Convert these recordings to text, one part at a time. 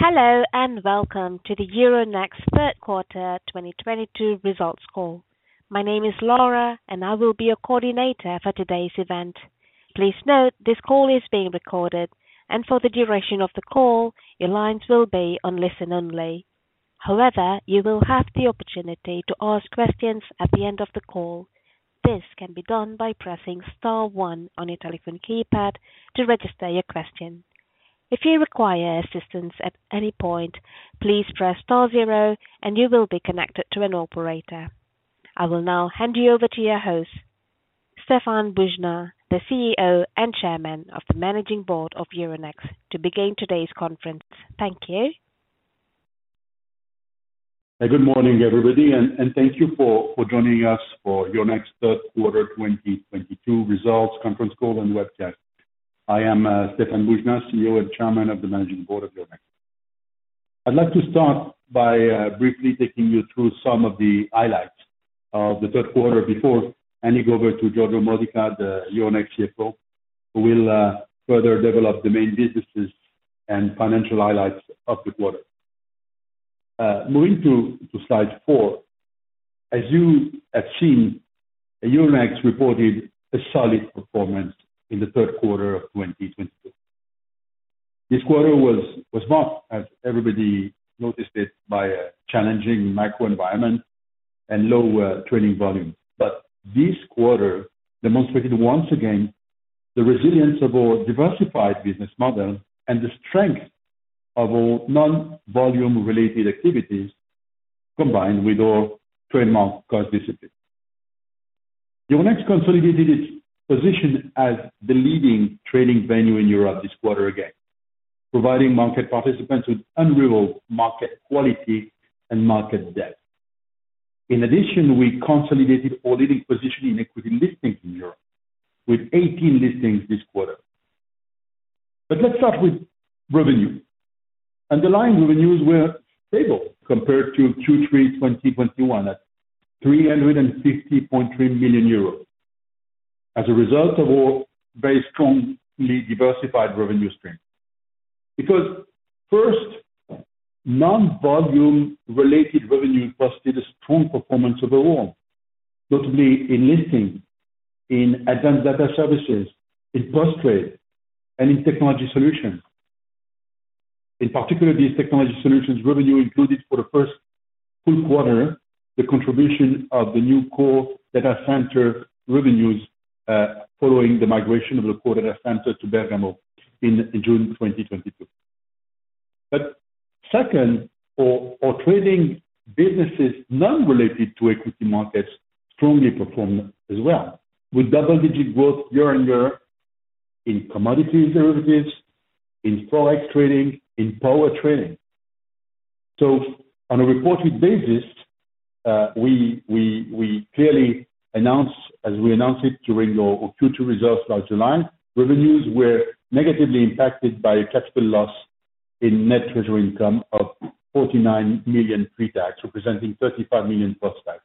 Hello, and welcome to the Euronext Third Quarter 2022 results call. My name is Laura, and I will be your coordinator for today's event. Please note this call is being recorded. For the duration of the call, your lines will be on listen only. However, you will have the opportunity to ask questions at the end of the call. This can be done by pressing star one on your telephone keypad to register your question. If you require assistance at any point, please press star zero and you will be connected to an operator. I will now hand you over to your host, Stéphane Boujnah, the CEO and Chairman of the Managing Board of Euronext to begin today's conference. Thank you. Good morning, everybody, and thank you for joining us for Euronext Third Quarter 2022 results conference call and webcast. I am Stéphane Boujnah, CEO and Chairman of the Managing Board of Euronext. I'd like to start by briefly taking you through some of the highlights of the third quarter before handing over to Giorgio Modica, the Euronext CFO, who will further develop the main businesses and financial highlights of the quarter. Moving to slide four. As you have seen, Euronext reported a solid performance in the third quarter of 2022. This quarter was marked, as everybody noticed it, by a challenging macro environment and low trading volume. This quarter demonstrated once again the resilience of our diversified business model and the strength of our non-volume related activities, combined with our trademark cost discipline. Euronext consolidated its position as the leading trading venue in Europe this quarter again, providing market participants with unrivaled market quality and market depth. In addition, we consolidated our leading position in equity listings in Europe with 18 listings this quarter. Let's start with revenue. Underlying revenues were stable compared to Q3 2021 at 360.3 million euros as a result of our very strongly diversified revenue stream. First, Non-volume-related revenue posted a strong performance overall, notably in listings, in advanced data services, in post-trade, and in technology solutions. In particular, these technology solutions revenue included for the first full quarter the contribution of the new core data center revenues, following the migration of the core data center to Bergamo in June 2022. Second, our Trading businesses not related to equity markets strongly performed as well, with double-digit growth year-on-year in commodity derivatives, in Forex trading, in power trading. On a reported basis, we clearly announce as we announce it during our Q2 results last July, revenues were negatively impacted by a taxable loss in net treasury income of 49 million pre-tax, representing 35 million post-tax.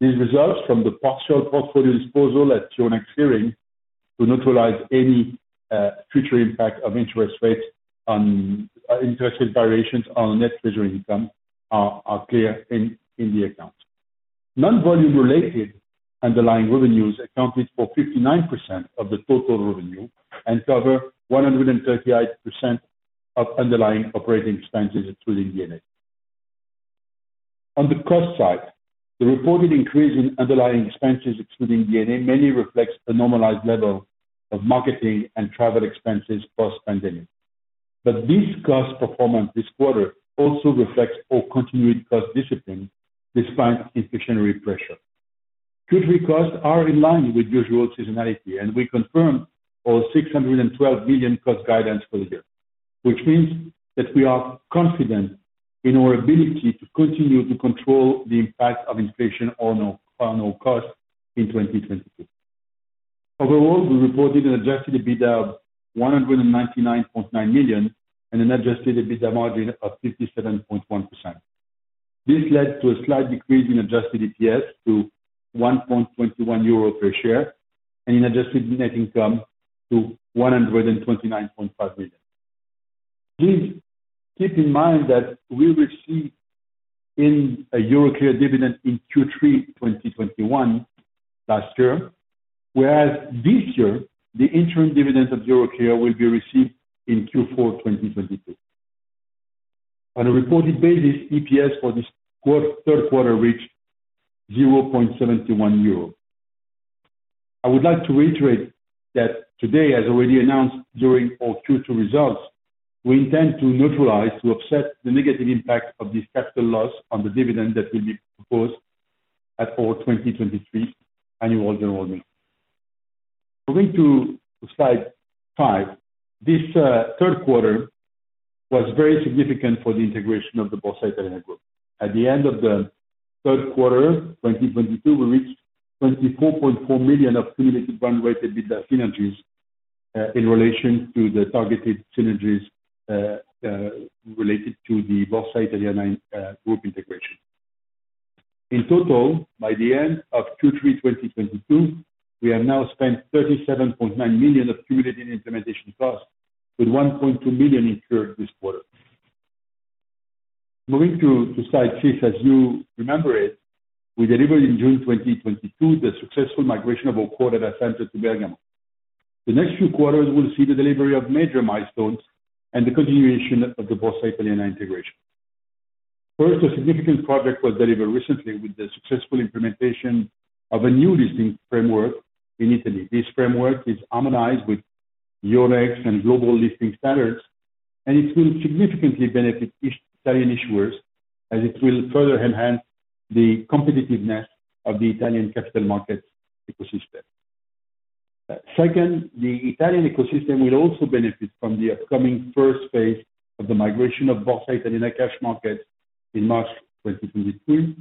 These results from the partial portfolio disposal at Euronext Clearing to neutralize any future impact of interest rate variations on Net Treasury Income are clear in the accounts. Non-volume related underlying revenues accounted for 59% of the total revenue and cover 138% of underlying operating expenses, including D&A. On the cost side, the reported increase in underlying expenses excluding D&A mainly reflects the normalized level of marketing and travel expenses post-pandemic. This cost performance this quarter also reflects our continued cost discipline despite inflationary pressure. Q3 costs are in line with usual seasonality, and we confirm our 612 million cost guidance for the year, which means that we are confident in our ability to continue to control the impact of inflation on our costs in 2022. Overall, we reported an Adjusted EBITDA of 199.9 million and an Adjusted EBITDA margin of 57.1%. This led to a slight decrease in Adjusted EPS to 1.21 euro per share and an Adjusted net income to 129.5 million. Please keep in mind that we received a Euroclear dividend in Q3 2021 last year, whereas this year the interim dividend of Euroclear will be received in Q4 2022. On a reported basis, EPS for this third quarter reached 0.71 euro. I would like to reiterate that today, as already announced during our Q2 results, we intend to neutralize to offset the negative impact of this taxable loss on the dividend that will be proposed at our 2023 annual general meeting. Moving to slide five. This third quarter was very significant for the integration of the Borsa Italiana Group. At the end of the third quarter 2022, we reached 24.4 million of cumulative run rate EBITDA synergies, in relation to the targeted synergies, related to the Borsa Italiana group integration. In total, by the end of Q3 2022, we have now spent 37.9 million of cumulative implementation costs, with 1.2 million incurred this quarter. Moving to slide six, as you remember it, we delivered in June 2022 the successful migration of our core data center to Bergamo. The next few quarters will see the delivery of major milestones and the continuation of the Borsa Italiana integration. First, a significant project was delivered recently with the successful implementation of a new listing framework in Italy. This framework is harmonized with Euronext and global listing standards, and it will significantly benefit Italian issuers as it will further enhance the competitiveness of the Italian capital markets ecosystem. Second, the Italian ecosystem will also benefit from the upcoming first phase of the migration of Borsa Italiana cash markets in March 2023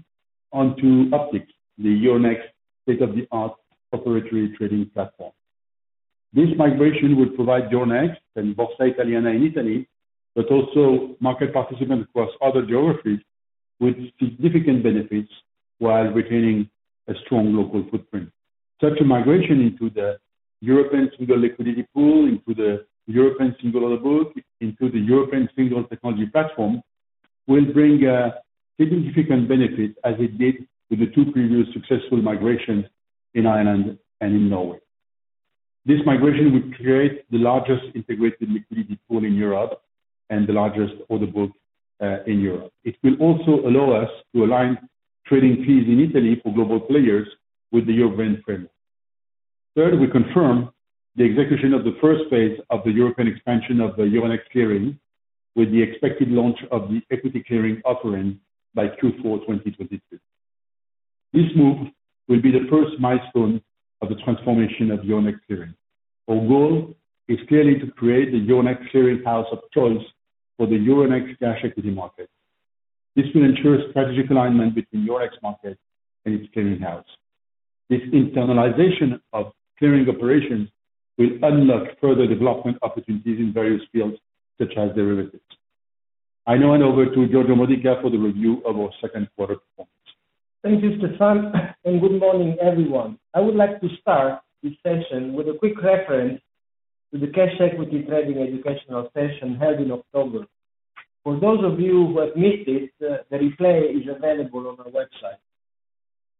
onto Optiq, the Euronext state-of-the-art operating trading platform. This migration will provide Euronext and Borsa Italiana in Italy, but also market participants across other geographies with significant benefits while retaining a strong local footprint. Such a migration into the European single liquidity pool, into the European single order book, into the European single technology platform, will bring a significant benefit as it did with the two previous successful migrations in Ireland and in Norway. This migration will create the largest integrated liquidity pool in Europe and the largest order book in Europe. It will also allow us to align trading fees in Italy for global players with the European framework. Third, we confirm the execution of the first phase of the European expansion of the Euronext Clearing with the expected launch of the equity clearing offering by Q4 2022. This move will be the first milestone of the transformation of Euronext Clearing. Our goal is clearly to create the Euronext Clearing house of choice for the Euronext cash equity market. This will ensure strategic alignment between Euronext market and its clearing house. This internalization of clearing operations will unlock further development opportunities in various fields such as derivatives. I now hand over to Giorgio Modica for the review of our second quarter performance. Thank you, Stéphane, and good morning, everyone. I would like to start this session with a quick reference to the cash equity trading educational session held in October. For those of you who have missed it, the replay is available on our website.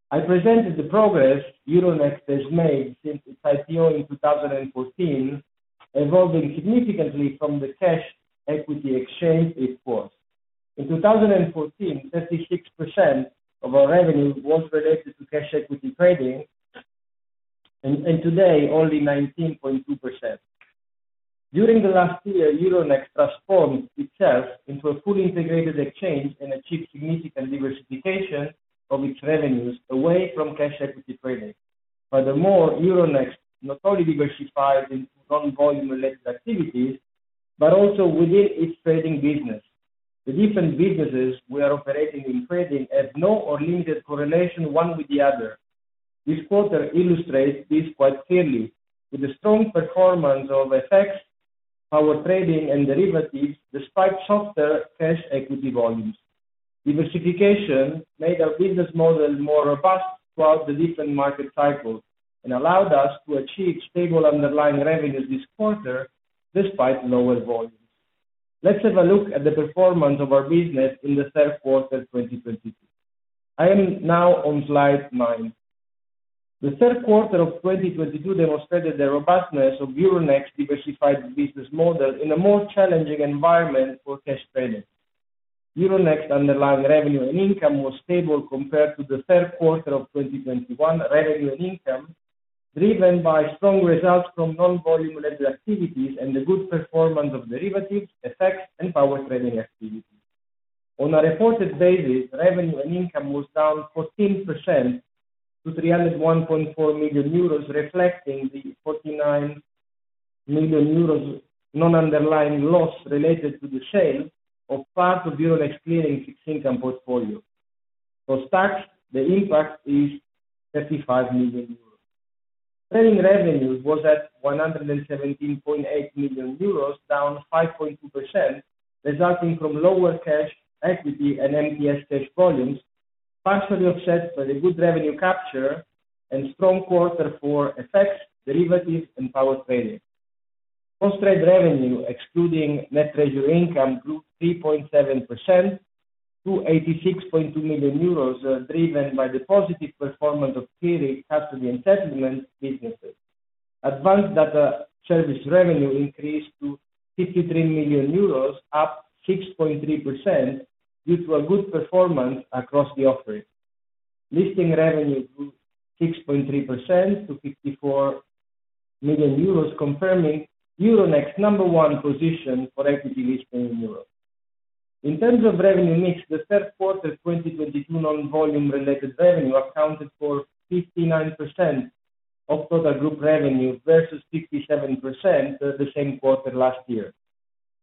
I presented the progress Euronext has made since its IPO in 2014, evolving significantly from the cash equity exchange it was. In 2014, 36% of our revenue was related to cash equity trading, and today only 19.2%. During the last year, Euronext transformed itself into a fully integrated exchange and achieved significant diversification of its revenues away from cash equity trading. Furthermore, Euronext not only diversified in non-volume related activities but also within its trading business. The different businesses we are operating in trading have no or limited correlation one with the other. This quarter illustrates this quite clearly. With the strong performance of FX, our trading and derivatives, despite softer cash equity volumes. Diversification made our business model more robust throughout the different market cycles and allowed us to achieve stable underlying revenues this quarter despite lower volumes. Let's have a look at the performance of our business in the third quarter 2022. I am now on slide nine. The third quarter of 2022 demonstrated the robustness of Euronext's diversified business model in a more challenging environment for cash trading. Euronext's underlying revenue and income was stable compared to the third quarter of 2021 revenue and income, driven by strong results from non-volume related activities and the good performance of derivatives, FX and power trading activities. On a reported basis, revenue and income was down 14% to 301.4 million euros, reflecting the 49 million euros non-underlying loss related to the sale of part of Euronext's clearing fixed income portfolio. For tax, the impact is 35 million euros. Trading revenue was at 117.8 million euros, down 5.2%, resulting from lower cash equity and MTS Cash volumes, partially offset by the good revenue capture and strong quarter for FX, derivatives, and power trading. Post Trade revenue, excluding net treasury income, grew 3.7% to 86.2 million euros, driven by the positive performance of clearing, custody, and settlement businesses. Advanced data service revenue increased to 53 million euros, up 6.3% due to a good performance across the offering. Listing revenue grew 6.3% to 54 million euros, confirming Euronext's number one position for equity listing in Europe. In terms of revenue mix, the third quarter 2022 non-volume related revenue accounted for 59% of total group revenue, versus 67% the same quarter last year,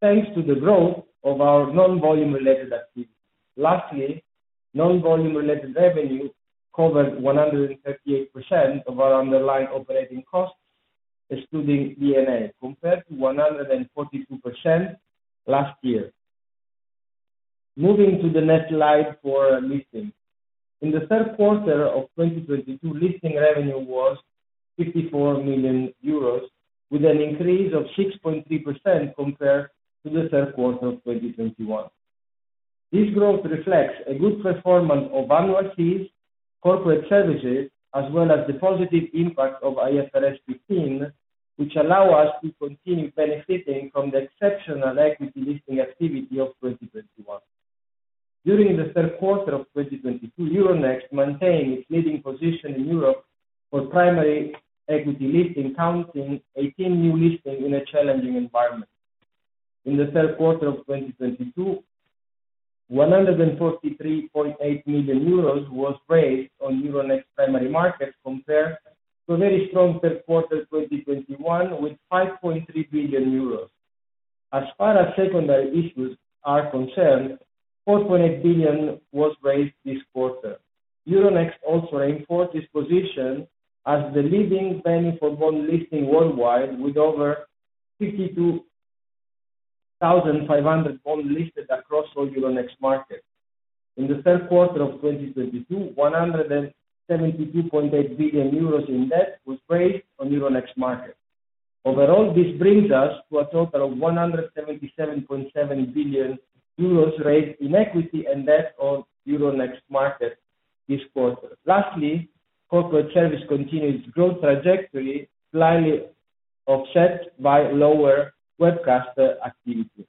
thanks to the growth of our non-volume related activities. Lastly, Non-volume related revenue covered 138% of our underlying operating costs. Excluding D&A compared to 142% last year. Moving to the next slide for listing. In the third quarter of 2022, listing revenue was 54 million euros, with an increase of 6.3% compared to the third quarter of 2021. This growth reflects a good performance of annual fees, corporate services, as well as the positive impact of IFRS 15, which allow us to continue benefiting from the exceptional equity listing activity of 2021. During the third quarter of 2022, Euronext maintained its leading position in Europe for primary equity listing, counting 18 new listings in a challenging environment. In the third quarter of 2022, 143.8 million euros was raised on Euronext primary markets compared to very strong third quarter 2021 with 5.3 billion euros. As far as secondary issues are concerned, 4.8 billion was raised this quarter. Euronext also reinforced its position as the leading venue for bond listing worldwide, with over 52,500 bonds listed across all Euronext markets. In the third quarter of 2022, 172.8 billion euros in debt was raised on Euronext markets. Overall, this brings us to a total of 177.7 billion euros raised in equity and debt on Euronext markets this quarter. Lastly, corporate services continued its growth trajectory, slightly offset by lower webcast activity.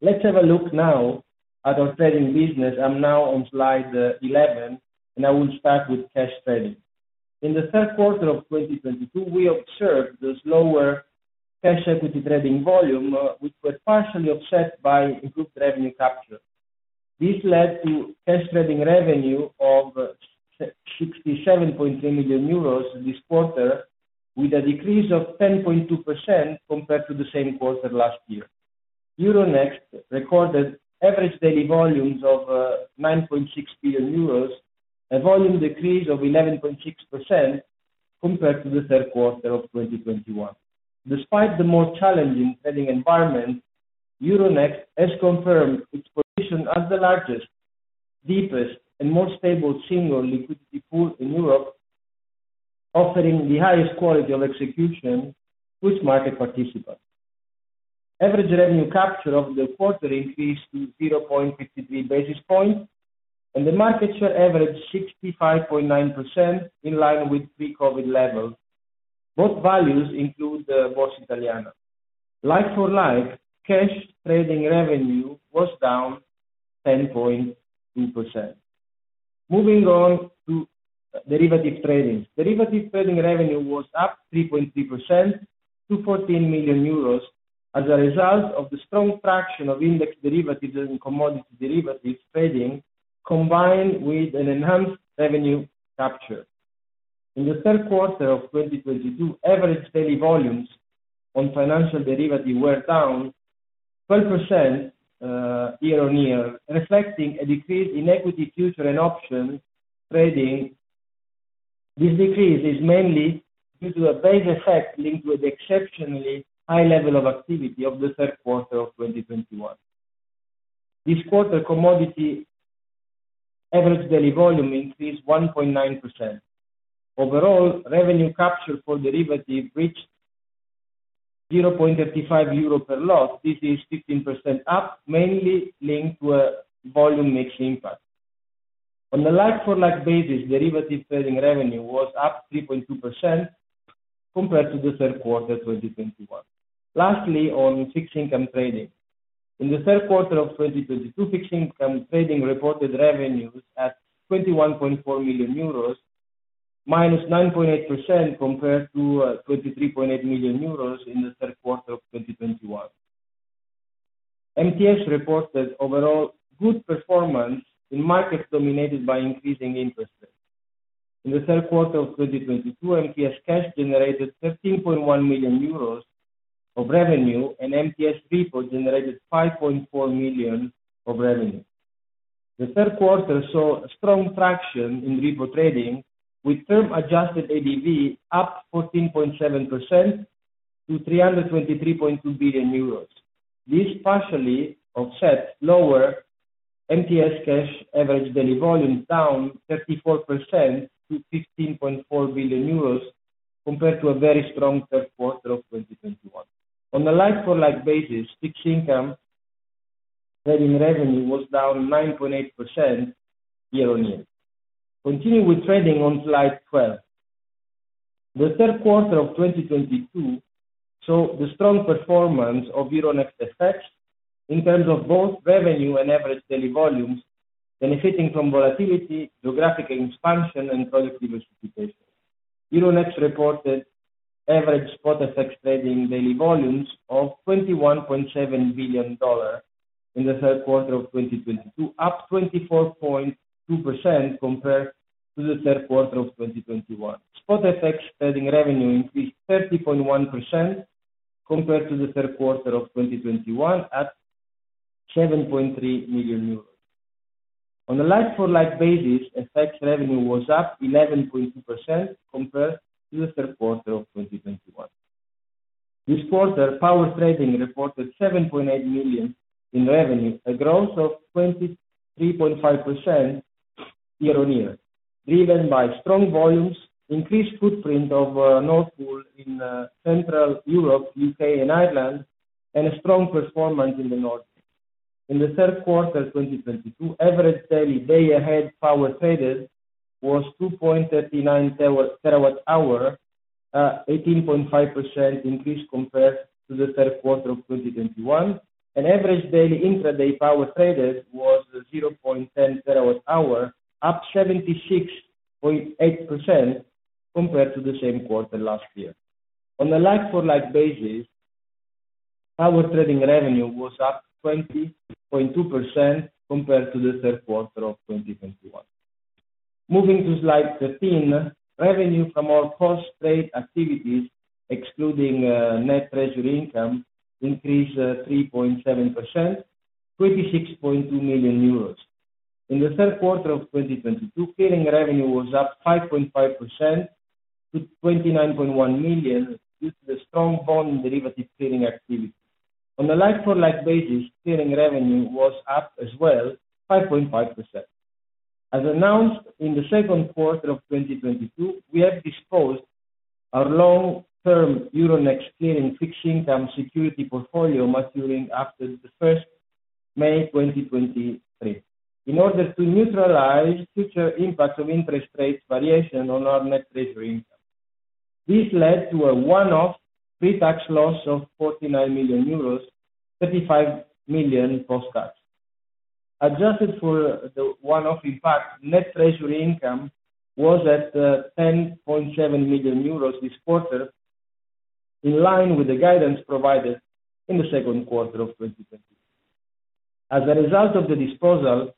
Let's have a look now at our trading business. I'm now on slide 11, and I will start with cash trading. In the third quarter of 2022, we observed slower cash equity trading volume, which was partially offset by improved revenue capture. This led to cash trading revenue of 67.3 million euros this quarter, with a decrease of 10.2% compared to the same quarter last year. Euronext recorded average daily volumes of 9.6 billion euros, a volume decrease of 11.6% compared to the third quarter of 2021. Despite the more challenging trading environment, Euronext has confirmed its position as the largest, deepest, and most stable single liquidity pool in Europe. Offering the highest quality of execution to its market participants. Average revenue capture of the quarter increased to 0.53 basis points, and the market share averaged 65.9% in line with pre-COVID levels. Both values include Borsa Italiana. Like-for-like, cash trading revenue was down 10.2%. Moving on to derivative trading. Derivative trading revenue was up 3.3% to 14 million euros as a result of the strong traction of index derivatives and commodity derivatives trading, combined with an enhanced revenue capture. In the third quarter of 2022, average daily volumes on financial derivative were down 12%, year-on-year, reflecting a decrease in equity futures and options trading. This decrease is mainly due to a base effect linked with exceptionally high level of activity of the third quarter of 2021. This quarter, commodity average daily volume increased 1.9%. Overall, revenue capture for derivative reached 0.55 euro per lot. This is 15% up, mainly linked to a volume mix impact. On a like-for-like basis, derivative trading revenue was up 3.2% compared to the third quarter 2021. Lastly, on fixed income trading. In the third quarter of 2022, fixed income trading reported revenues at 21.4 million euros, -9.8% compared to 23.8 million euros in the third quarter of 2021. MTS reported overall good performance in markets dominated by increasing interest rates. In the third quarter of 2022, MTS cash generated 13.1 million euros of revenue, and MTS Repo generated 5.4 million of revenue. The third quarter saw a strong traction in repo trading, with term Adjusted ADV up 14.7% to 323.2 billion euros. This partially offset lower MTS Cash average daily volume, down 34% to 15.4 billion euros, compared to a very strong third quarter of 2021. On a like-for-like basis, fixed income trading revenue was down 9.8% year-on-year. Continue with trading on slide 12. The third quarter of 2022 saw the strong performance of Euronext FX in terms of both revenue and average daily volumes, benefiting from volatility, geographic expansion, and product diversification. Euronext reported average spot FX trading daily volumes of $21.7 billion in the third quarter of 2022, up 24.2% compared to the third quarter of 2021. Spot FX trading revenue increased 30.1% compared to the third quarter of 2021 at 7.3 million euros. On a like for like basis, FX revenue was up 11.2% compared to the third quarter of 2021. This quarter, power trading reported 7.8 million in revenue, a growth of 23.5% year-on-year, driven by strong volumes, increased footprint of Nord Pool in Central Europe, UK and Ireland, and a strong performance in the North. In the third quarter of 2022, average daily day ahead power traded was 2.39 TWh, 18.5% increase compared to the third quarter of 2021. Average daily intraday power traded was 0.10 TWh, up 76.8% compared to the same quarter last year. On a like for like basis, power trading revenue was up 20.2% compared to the third quarter of 2021. Moving to slide 13, revenue from our post-trade activities excluding net treasury income increased 3.7%, 26.2 million euros. In the third quarter of 2022, clearing revenue was up 5.5% to 29.1 million due to the strong bond and derivative clearing activity. On a like for like basis, clearing revenue was up as well, 5.5%. As announced in the second quarter of 2022, we have disposed our long term Euronext Clearing fixed income security portfolio maturing after the first May 2023, in order to neutralize future impact of interest rates variation on our net treasury income. This led to a one-off pretax loss of 49 million euros, 35 million post tax. Adjusted for the one-off impact, net treasury income was at 10.7 million euros this quarter, in line with the guidance provided in the second quarter of 2022. As a result of the disposal,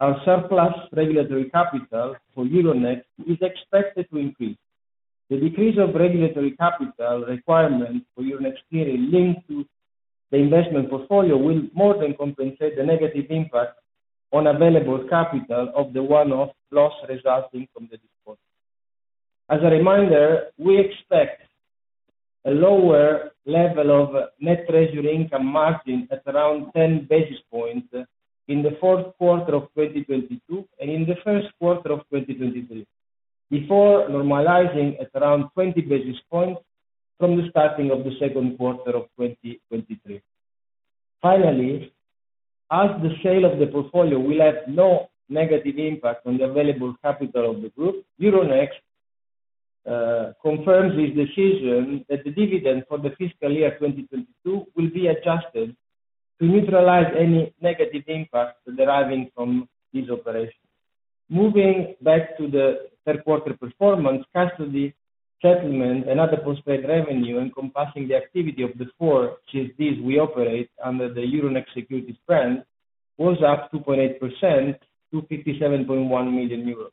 our surplus regulatory capital for Euronext is expected to increase. The decrease of regulatory capital requirement for Euronext Clearing linked to the investment portfolio will more than compensate the negative impact on available capital of the one-off loss resulting from the disposal. As a reminder, we expect a lower level of Net Treasury Income margin at around 10 basis points in the fourth quarter of 2022 and in the first quarter of 2023, before normalizing at around 20 basis points from the starting of the second quarter of 2023. Finally, as the sale of the portfolio will have no negative impact on the available capital of the group, Euronext confirms its decision that the dividend for the fiscal year 2022 will be adjusted to neutralize any negative impact deriving from this operation. Moving back to the third quarter performance, custody, settlement and other post-trade revenue encompassing the activity of the four CSDs we operate under the Euronext Securities brand, was up 2.8% to 57.1 million euros.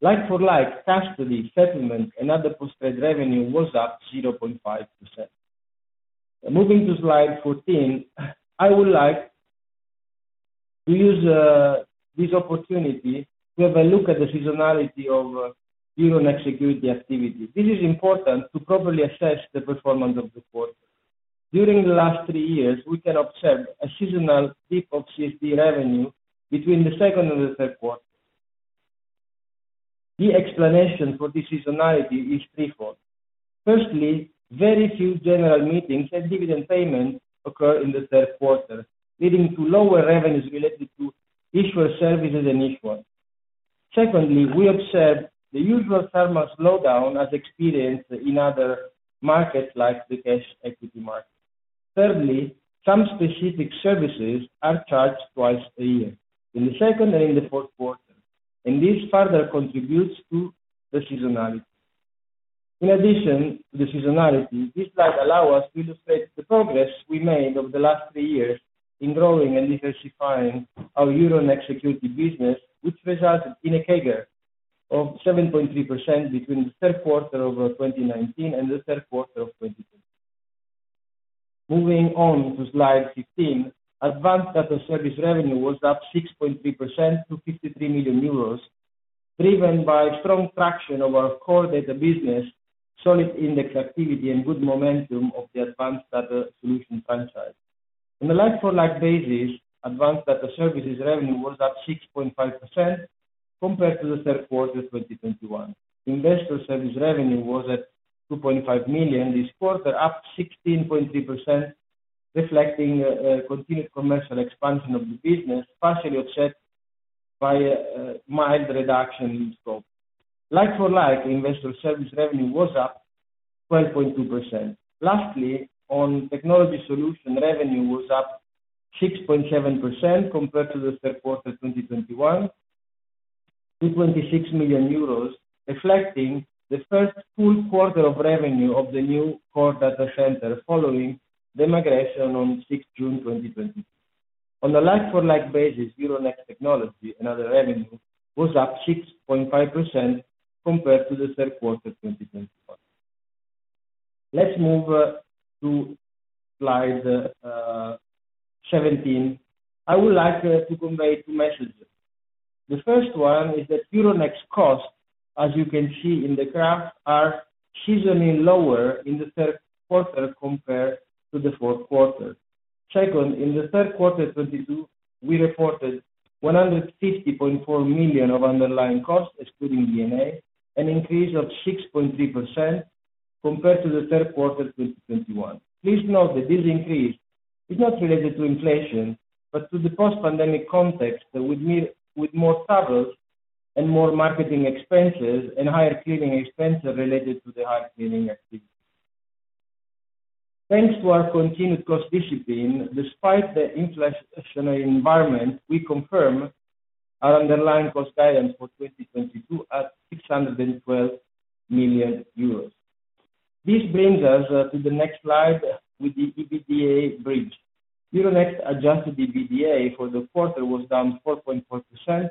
Like for like, custody, settlement and other post-trade revenue was up 0.5%. Moving to slide 14, I would like to use this opportunity to have a look at the seasonality of Euronext securities activity. This is important to properly assess the performance of the quarter. During the last three years, we can observe a seasonal peak of CSD revenue between the second and the third quarter. The explanation for the seasonality is threefold. Firstly, very few general meetings and dividend payments occur in the third quarter, leading to lower revenues related to issuer services and issuance. Secondly, we observe the usual summer slowdown as experienced in other markets like the cash equity market. Thirdly, some specific services are charged twice a year, in the second and in the fourth quarter, and this further contributes to the seasonality. In addition to the seasonality, this slide allow us to illustrate the progress we made over the last three years in growing and diversifying our Euronext securities business, which resulted in a CAGR of 7.3% between third quarter 2019 and third quarter 2022. Moving on to slide 15, Advanced Data Services revenue was up 6.3% to 53 million euros, driven by strong traction of our core data business, solid index activity and good momentum of the Advanced Data Solutions franchise. On a like-for-like basis, advanced data services revenue was up 6.5% compared to Q3 2021. Investor Services revenue was at 2.5 million this quarter, up 16.3%, reflecting continued commercial expansion of the business, partially offset by a mild reduction in scope. Like-for-like, Investor Services revenue was up 12.2%. Lastly, our Technology Solutions revenue was up 6.7% compared to the third quarter of 2021 to 26 million euros, reflecting the first full quarter of revenue of the new core data center following the migration on 6th June 2022. On a like-for-like basis, Euronext technology and other revenue was up 6.5% compared to the third quarter 2021. Let's move to slide 17. I would like to convey two messages. The first one is that Euronext costs, as you can see in the graph, are seasonally lower in the third quarter compared to the fourth quarter. Second, in the third quarter 2022, we reported 150.4 million of underlying costs, excluding D&A, an increase of 6.3% compared to the third quarter 2021. Please note that this increase is not related to inflation, but to the post-pandemic context with more travels and more marketing expenses and higher clearing expenses related to the higher clearing activity. Thanks to our continued cost discipline, despite the inflationary environment, we confirm our underlying cost guidance for 2022 at 612 million euros. This brings us to the next slide with the EBITDA bridge. Euronext Adjusted EBITDA for the quarter was down 4.4% to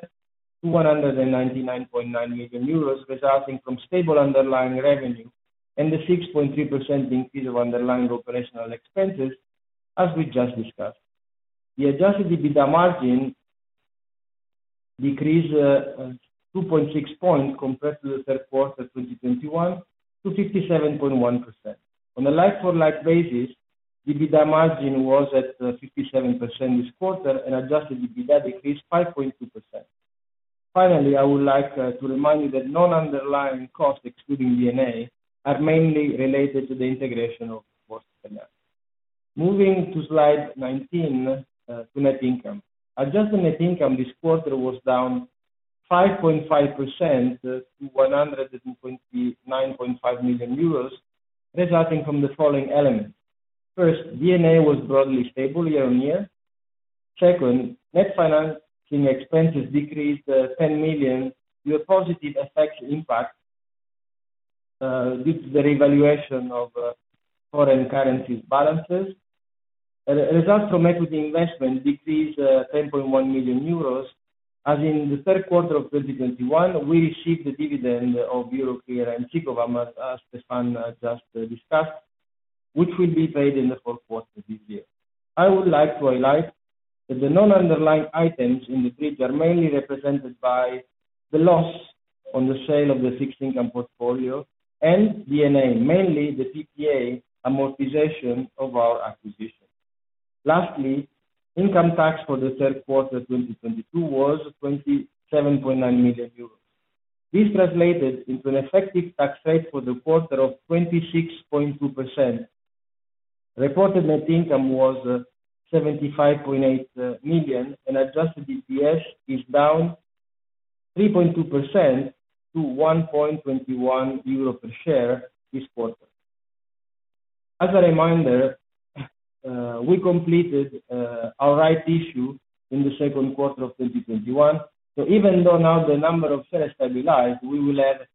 199.9 million euros, resulting from stable underlying revenue and the 6.3% increase of underlying operational expenses, as we just discussed. The Adjusted EBITDA margin decreased 2.6 points compared to the third quarter 2021 to 57.1%. On a like to like basis, EBITDA margin was at 57% this quarter and Adjusted EBITDA decreased 5.2%. Finally, I would like to remind you that non-underlying costs, excluding D&A, are mainly related to the integration of Borsa Italiana. Moving to slide 19, to net income. Adjusted net income this quarter was down 5.5% to 129.5 million euros, resulting from the following elements. First, D&A was broadly stable year-on-year. Second, net financing expenses decreased 10 million with positive FX impact with the revaluation of foreign currency balances. Results from equity investment decreased 10.1 million euros, as in the third quarter of 2021, we received the dividend of Euroclear and Sicovam, as Stéphane just discussed, which will be paid in the fourth quarter this year. I would like to highlight that the non-underlying items in the bridge are mainly represented by the loss on the sale of the fixed income portfolio and D&A, mainly the PPA amortization of our acquisition. Lastly, income tax for the third quarter 2022 was 27.9 million euros. This translated into an effective tax rate for the quarter of 26.2%. Reported net income was 75.8 million, and adjusted EPS is down 3.2% to 1.21 euro per share this quarter. As a reminder, we completed our rights issue in the second quarter of 2021. Even though now the number of shares has stabilized, we will have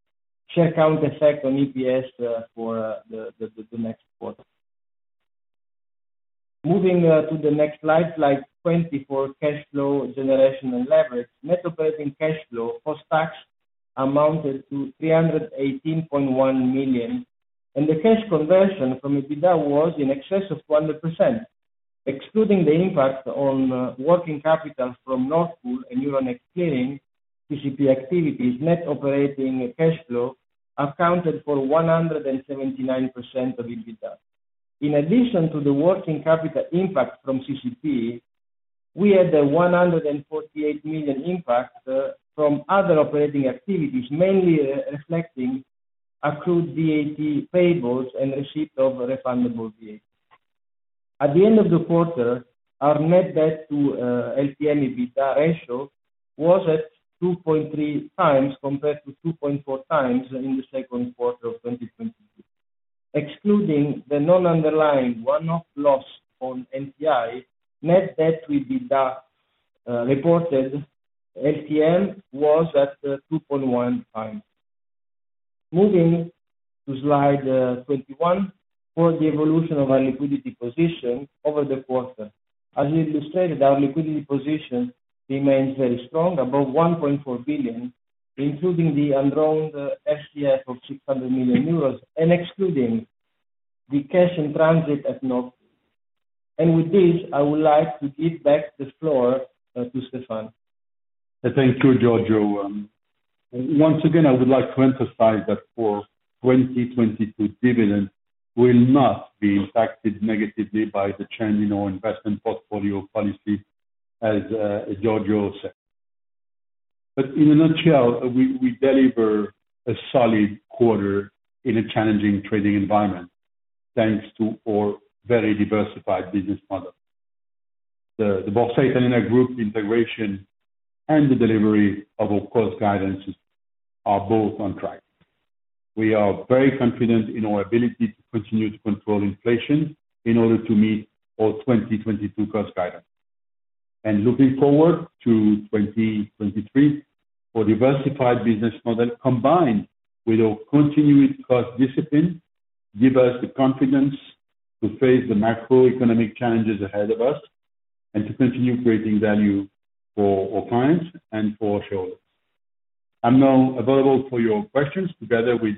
share count effect on EPS for the next quarter. Moving to the next slide 20, for cash flow generation and leverage. Net operating cash flow post-tax amounted to 318.1 million, and the cash conversion from EBITDA was in excess of 100%. Excluding the impact on working capital from Nord Pool and Euronext ClearingCCP activities, net operating cash flow accounted for 179% of EBITDA. In addition to the working capital impact from CCP, we had a 148 million impact from other operating activities, mainly reflecting accrued VAT payables and receipt of refundable VAT. At the end of the quarter, our net debt to LTM EBITDA ratio was at 2.3x compared to 2.4x in the second quarter of 2022. Excluding the non-underlying one-off loss on NTI, net debt to EBITDA reported LTM was at 2.1x. Moving to slide 21 for the evolution of our liquidity position over the quarter. As we illustrated, our liquidity position remains very strong, above 1.4 billion, including the undrawn RCF of 600 million euros and excluding the cash in transit at Nord Pool. With this, I would like to give back the floor to Stéphane. Thank you, Giorgio. Once again, I would like to emphasize that for 2022, dividend will not be impacted negatively by the change in our investment portfolio policy, as Giorgio said. In a nutshell, we deliver a solid quarter in a challenging trading environment, thanks to our very diversified business model. The Borsa Italiana Group integration and the delivery of our cost guidances are both on track. We are very confident in our ability to continue to control inflation in order to meet our 2022 cost guidance. Looking forward to 2023, our diversified business model combined with our continued cost discipline give us the confidence to face the macroeconomic challenges ahead of us and to continue creating value for our clients and for our shareholders. I'm now available for your questions together with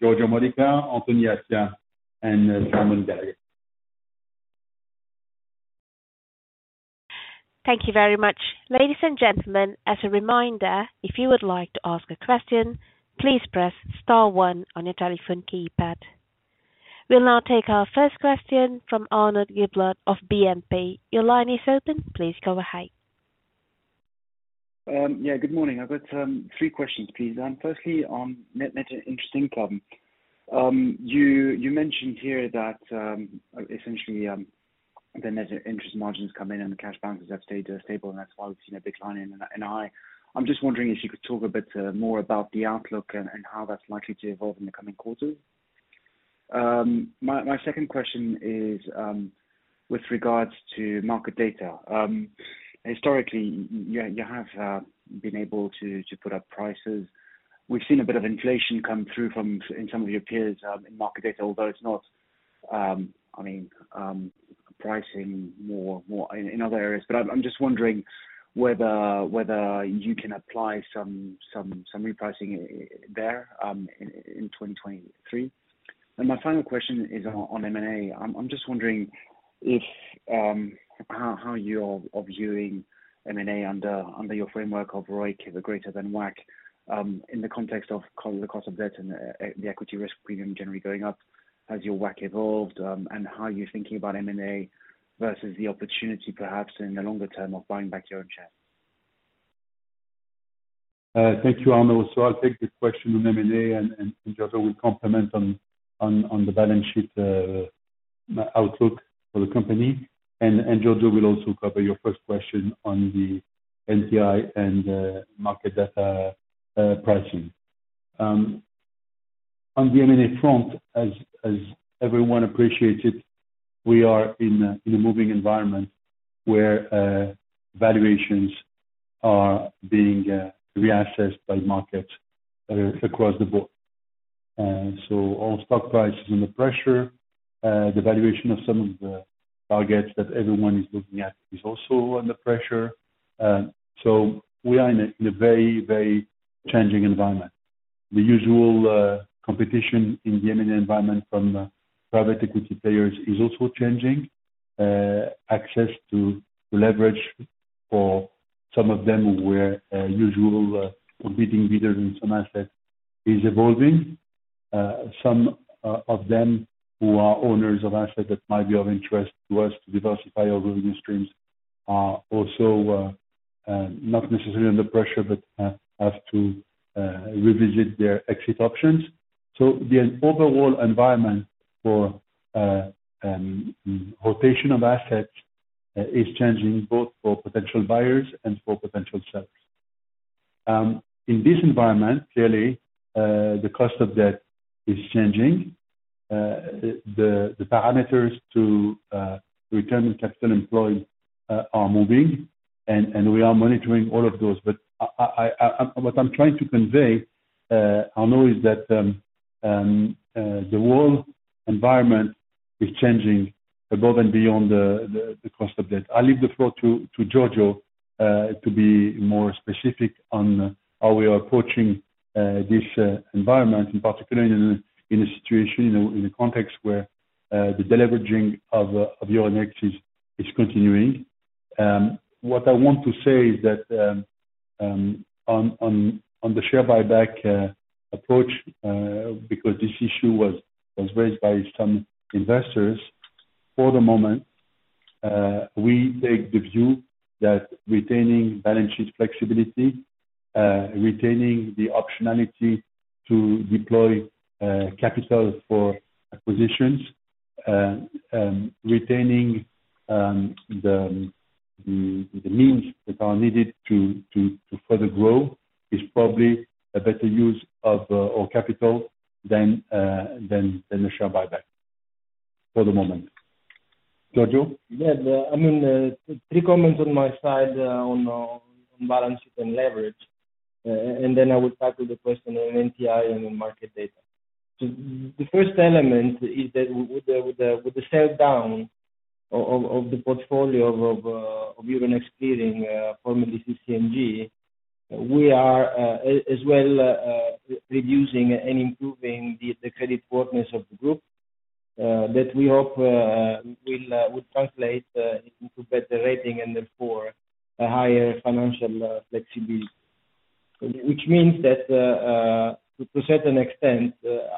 Giorgio Modica, Anthony Attia, and Simon Gallagher. Thank you very much. Ladies and gentlemen, as a reminder, if you would like to ask a question, please press star one on your telephone keypad. We'll now take our first question from Arnaud Giblat of BNP. Your line is open. Please go ahead. Yeah, good morning. I've got three questions, please. Firstly on net interest income, you mentioned here that essentially the net interest margins come in and the cash balances have stayed stable, and that's why we've seen a decline in NII. I'm just wondering if you could talk a bit more about the outlook and how that's likely to evolve in the coming quarters. My second question is with regards to market data. Historically, you have been able to put up prices. We've seen a bit of inflation come through from, in some of your peers in market data, although it's not, I mean, pricing more in other areas. I'm just wondering whether you can apply some repricing in there in 2023. My final question is on M&A. I'm just wondering how you are viewing M&A under your framework of ROCE greater than WACC, in the context of the cost of debt and the equity risk premium generally going up. Has your WACC evolved? How are you thinking about M&A versus the opportunity perhaps in the longer term of buying back your own shares? Thank you, Arnaud. I'll take the question on M&A, and Giorgio will comment on the balance sheet outlook for the company. Giorgio will also cover your first question on the NTI and market data pricing. On the M&A front, as everyone appreciates it, we are in a moving environment where valuations are being reassessed by markets across the board. All stock prices under pressure, the valuation of some of the targets that everyone is looking at is also under pressure. We are in a very changing environment. The usual competition in the M&A environment from private equity players is also changing. Access to leverage for some of them were usual competing bidders in some assets is evolving. Some of them who are owners of assets that might be of interest to us to diversify our revenue streams are also not necessarily under pressure, but have to revisit their exit options. The overall environment for rotation of assets is changing both for potential buyers and for potential sellers. In this environment, clearly, the cost of debt is changing. The parameters to return on capital employed are moving, and we are monitoring all of those. What I'm trying to convey, Arnaud, is that the whole environment is changing above and beyond the cost of debt. I leave the floor to Giorgio to be more specific on how we are approaching this environment, in particular in a situation, you know, in a context where the deleveraging of Euronext is continuing. What I want to say is that on the share buyback approach, because this issue was raised by some investors, for the moment, we take the view that retaining balance sheet flexibility, retaining the optionality to deploy capital for acquisitions, retaining the means that are needed to further grow is probably a better use of our capital than the share buyback for the moment. Giorgio? I mean, three comments on my side, on balance sheet and leverage, and then I will tackle the question on NTI and on market data. The first element is that with the sell down of the portfolio of Euronext Clearing, formerly CC&G, we are as well reducing and improving the creditworthiness of the group that we hope would translate into better rating and therefore a higher financial flexibility. Which means that to a certain extent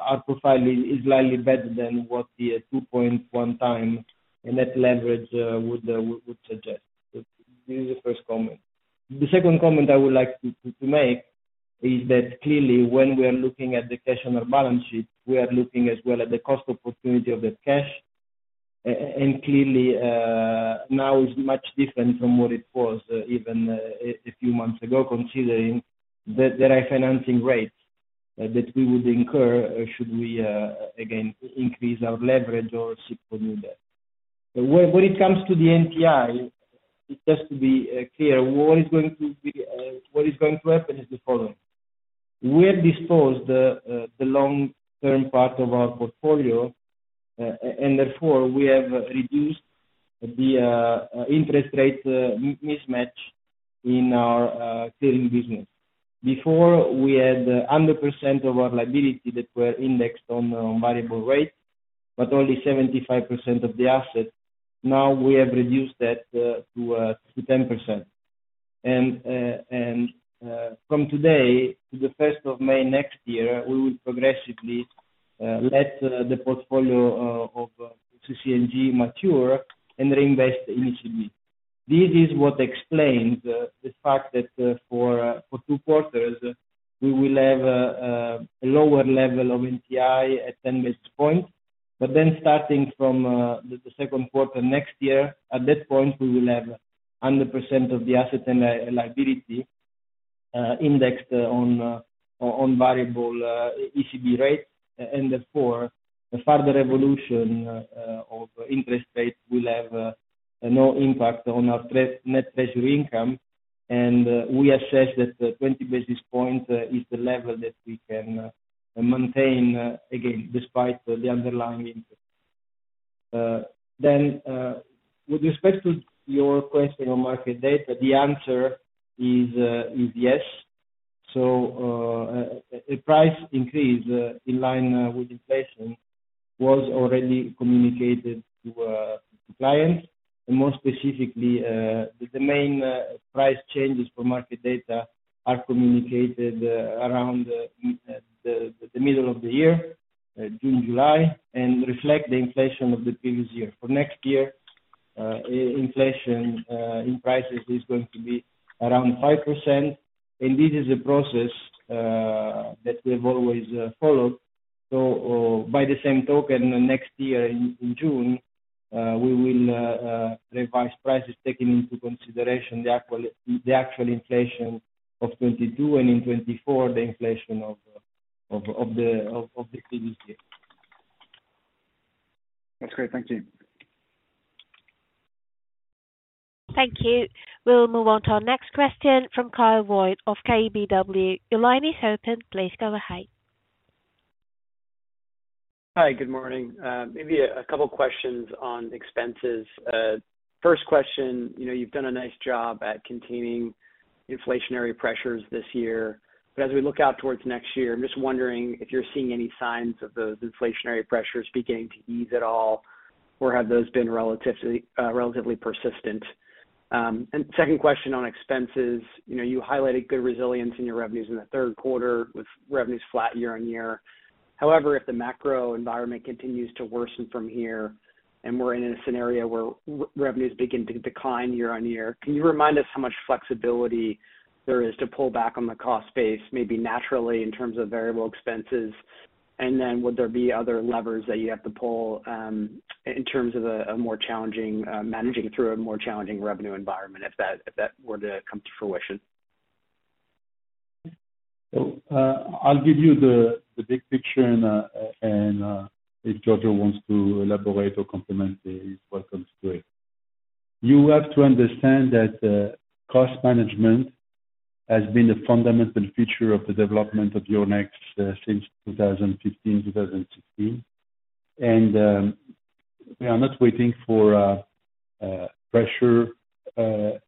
our profile is slightly better than what the 2.1x net leverage would suggest. This is the first comment. The second comment I would like to make is that clearly when we are looking at the cash on our balance sheet, we are looking as well at the cost opportunity of that cash. Clearly, now is much different from what it was even a few months ago, considering the refinancing rates that we would incur should we again increase our leverage or seek to do that. When it comes to the NTI, just to be clear, what is going to happen is the following. We have disposed the long-term part of our portfolio. Therefore, we have reduced the interest rate mismatch in our clearing business. Before we had 100% of our liability that were indexed on the variable rate, but only 75% of the assets. Now we have reduced that to 10%. From today to the first of May next year, we will progressively let the portfolio of CC&G mature and reinvest initially. This is what explains the fact that for two quarters, we will have a lower level of NTI at 10 basis points. Then starting from the second quarter next year, at that point, we will have 100% of the asset and liability indexed on variable ECB rate. Therefore, the further evolution of interest rates will have no impact on our net treasury income. We assess that 20 basis points is the level that we can maintain again, despite the underlying interest. With respect to your question on market data, the answer is yes. A price increase in line with inflation was already communicated to clients. More specifically, the main price changes for market data are communicated around the middle of the year, June, July, and reflect the inflation of the previous year. For next year, inflation in prices is going to be around 5%, and this is a process that we've always followed. By the same token, next year in June, we will revise prices taking into consideration the actual inflation of 2022 and in 2024, the inflation of the previous year. That's great. Thank you. Thank you. We'll move on to our next question from Kyle Voigt of KBW. Your line is open. Please go ahead. Hi, good morning. Maybe a couple questions on expenses. First question, you know, you've done a nice job at containing inflationary pressures this year. As we look out towards next year, I'm just wondering if you're seeing any signs of those inflationary pressures beginning to ease at all, or have those been relatively persistent? Second question on expenses. You know, you highlighted good resilience in your revenues in the third quarter with revenues flat year-on-year. However, if the macro environment continues to worsen from here, and we're in a scenario where revenues begin to decline year-on-year, can you remind us how much flexibility there is to pull back on the cost base, maybe naturally, in terms of variable expenses? Would there be other levers that you have to pull in terms of a more challenging managing through a more challenging revenue environment if that were to come to fruition? I'll give you the big picture and if Giorgio wants to elaborate or complement, he's welcome to it. You have to understand that cost management has been a fundamental feature of the development of Euronext since 2015, 2016. We are not waiting for pressure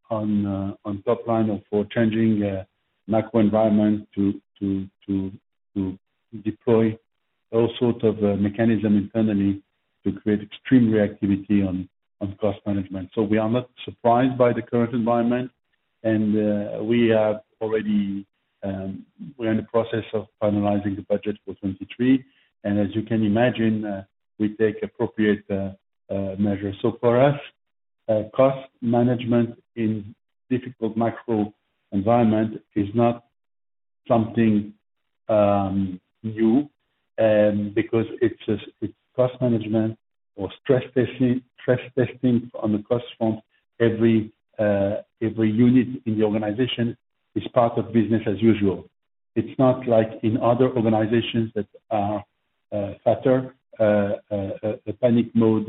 on top line or for changing macro environment to deploy all sorts of mechanism internally to create extreme reactivity on cost management. We are not surprised by the current environment, and we have already, we're in the process of finalizing the budget for 2023. As you can imagine, we take appropriate measures. For us, cost management in difficult macro environment is not something new, because it's just, it's cost management or stress testing on the cost front. Every unit in the organization is part of business as usual. It's not like in other organizations that are fatter, a panic mode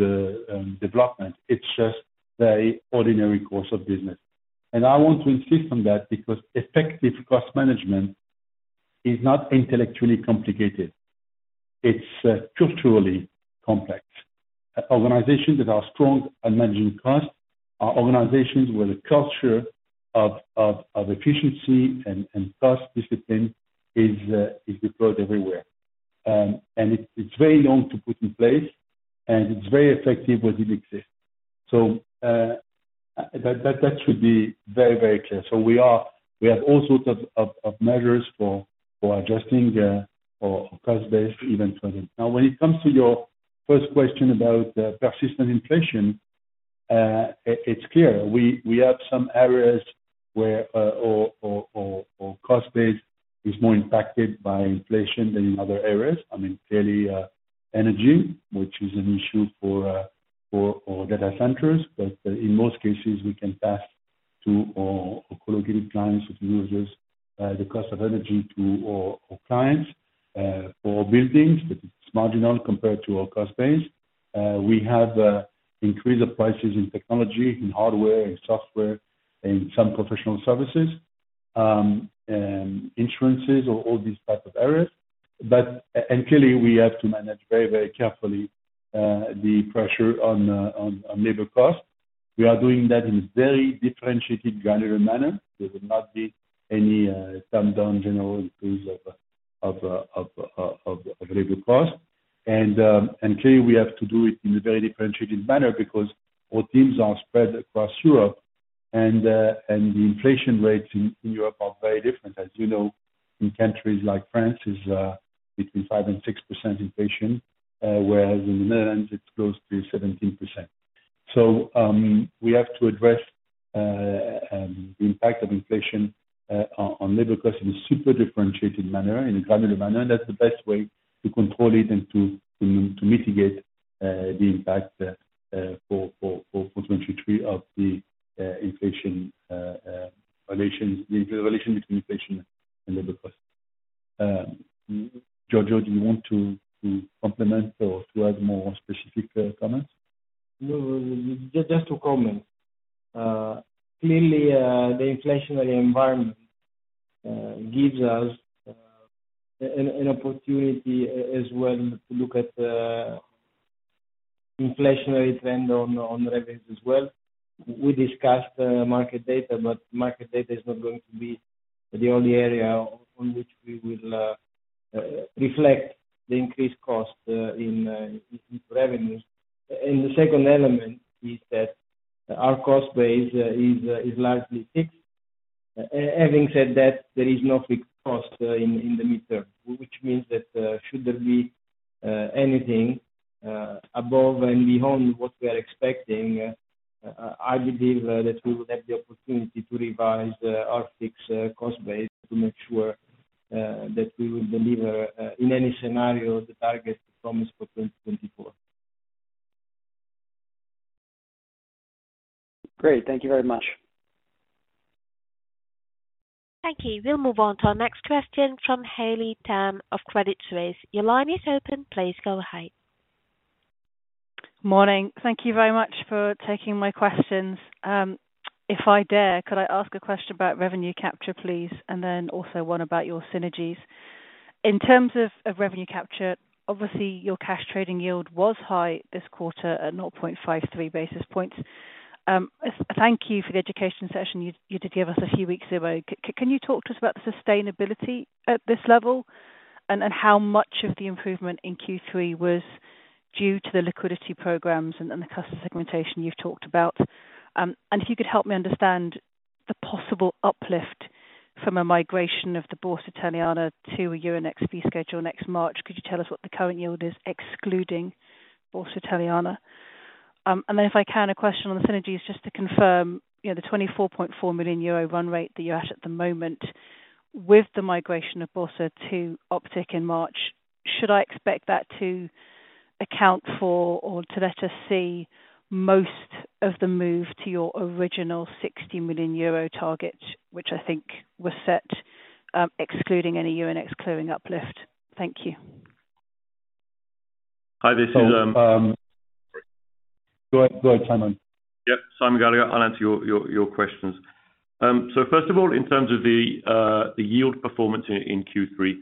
development. It's just very ordinary course of business. I want to insist on that because effective cost management is not intellectually complicated. It's culturally complex. Organizations that are strong at managing costs are organizations where the culture of efficiency and cost discipline is deployed everywhere. It's very long to put in place, and it's very effective when it exists. That should be very clear. We have all sorts of measures for adjusting for cost base even further. Now, when it comes to your first question about persistent inflation, it's clear. We have some areas where our cost base is more impacted by inflation than in other areas. I mean, clearly, energy, which is an issue for our data centers. In most cases, we can pass to our co-located clients and users the cost of energy to our clients for buildings, but it's marginal compared to our cost base. We have increase of prices in technology, in hardware and software, in some professional services. Insurances or all these types of areas. Clearly we have to manage very carefully the pressure on labor costs. We are doing that in very differentiated granular manner. There will not be any dumbed down general increase of labor costs. Clearly we have to do it in a very differentiated manner because our teams are spread across Europe and the inflation rates in Europe are very different. As you know, in countries like France is between 5%-6% inflation, whereas in the Netherlands it's close to 17%. We have to address the impact of inflation on labor costs in a super differentiated manner, in a granular manner. That's the best way to control it and to mitigate the impact for 2023 of the inflation. The relation between inflation and labor costs. Giorgio, do you want to complement or to add more specific comments? No, just to comment. Clearly, the inflationary environment gives us an opportunity as well to look at inflationary trend on revenues as well. We discussed market data, but market data is not going to be the only area on which we will reflect the increased cost into revenues. The second element is that our cost base is largely fixed. Having said that, there is no fixed cost in the midterm, which means that should there be anything above and beyond what we are expecting, I believe that we would have the opportunity to revise our fixed cost base to make sure that we will deliver in any scenario the target performance for 2024. Great. Thank you very much. Thank you. We'll move on to our next question from Haley Tam of Credit Suisse. Your line is open. Please go ahead. Morning. Thank you very much for taking my questions. If I dare, could I ask a question about revenue capture, please, and then also one about your synergies. In terms of revenue capture, obviously your cash trading yield was high this quarter at 0.53 basis points. Thank you for the education session you did give us a few weeks ago. Can you talk to us about the sustainability at this level and how much of the improvement in Q3 was due to the liquidity programs and the customer segmentation you've talked about? If you could help me understand the possible uplift from a migration of the Borsa Italiana to a Euronext fee schedule next March. Could you tell us what the current yield is excluding Borsa Italiana? If I can, a question on the synergies just to confirm, you know, the 24.4 million euro run rate that you're at the moment with the migration of Borsa to Optiq in March, should I expect that to account for or to let us see most of the move to your original 60 million euro target, which I think was set, excluding any Euronext Clearing uplift? Thank you. Hi, this is. Go ahead, Simon. Yeah. Simon Gallagher. I'll answer your questions. So first of all, in terms of the yield performance in Q3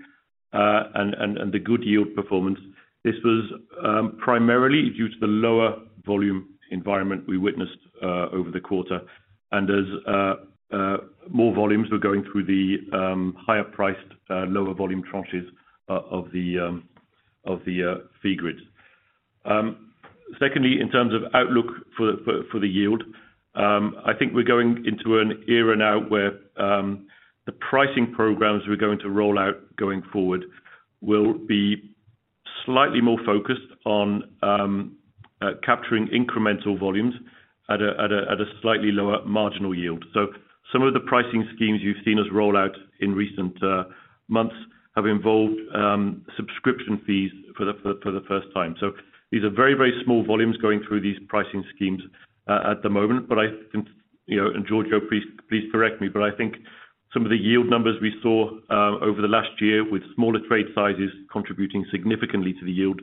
and the good yield performance, this was primarily due to the lower volume environment we witnessed over the quarter. As more volumes were going through the higher priced lower volume tranches of the fee grid. Secondly, in terms of outlook for the yield, I think we're going into an era now where the pricing programs we're going to roll out going forward will be slightly more focused on capturing incremental volumes at a slightly lower marginal yield. Some of the pricing schemes you've seen us roll out in recent months have involved subscription fees for the first time. These are very small volumes going through these pricing schemes at the moment. I think, you know, and Giorgio, please correct me, but I think some of the yield numbers we saw over the last year with smaller trade sizes contributing significantly to the yield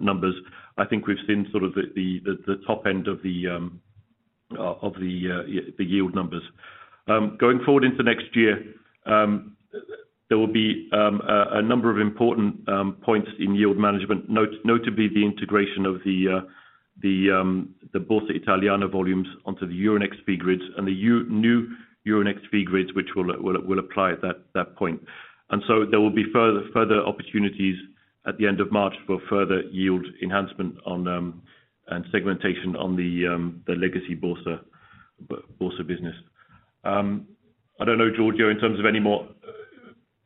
numbers. I think we've seen sort of the top end of the yield numbers. Going forward into next year, there will be a number of important points in yield management, notably the integration of the Borsa Italiana volumes onto the Euronext fee grids and the new Euronext fee grids, which will apply at that point. There will be further opportunities at the end of March for further yield enhancement and segmentation on the legacy Borsa business. I don't know, Giorgio, in terms of any more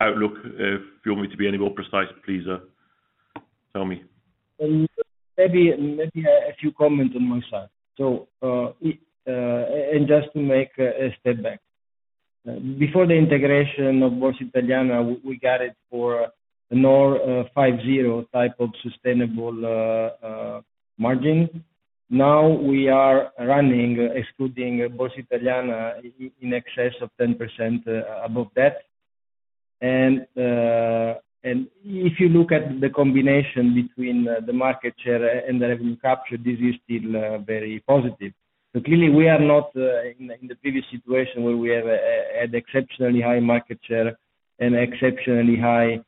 outlook, if you want me to be any more precise, please tell me. Maybe a few comments on my side. Just to make a step back. Before the integration of Borsa Italiana, we got it for five-zero type of sustainable margin. Now we are running, excluding Borsa Italiana in excess of 10% above that. If you look at the combination between the market share and the revenue capture, this is still very positive. Clearly we are not in the previous situation where we have had exceptionally high market share and exceptionally high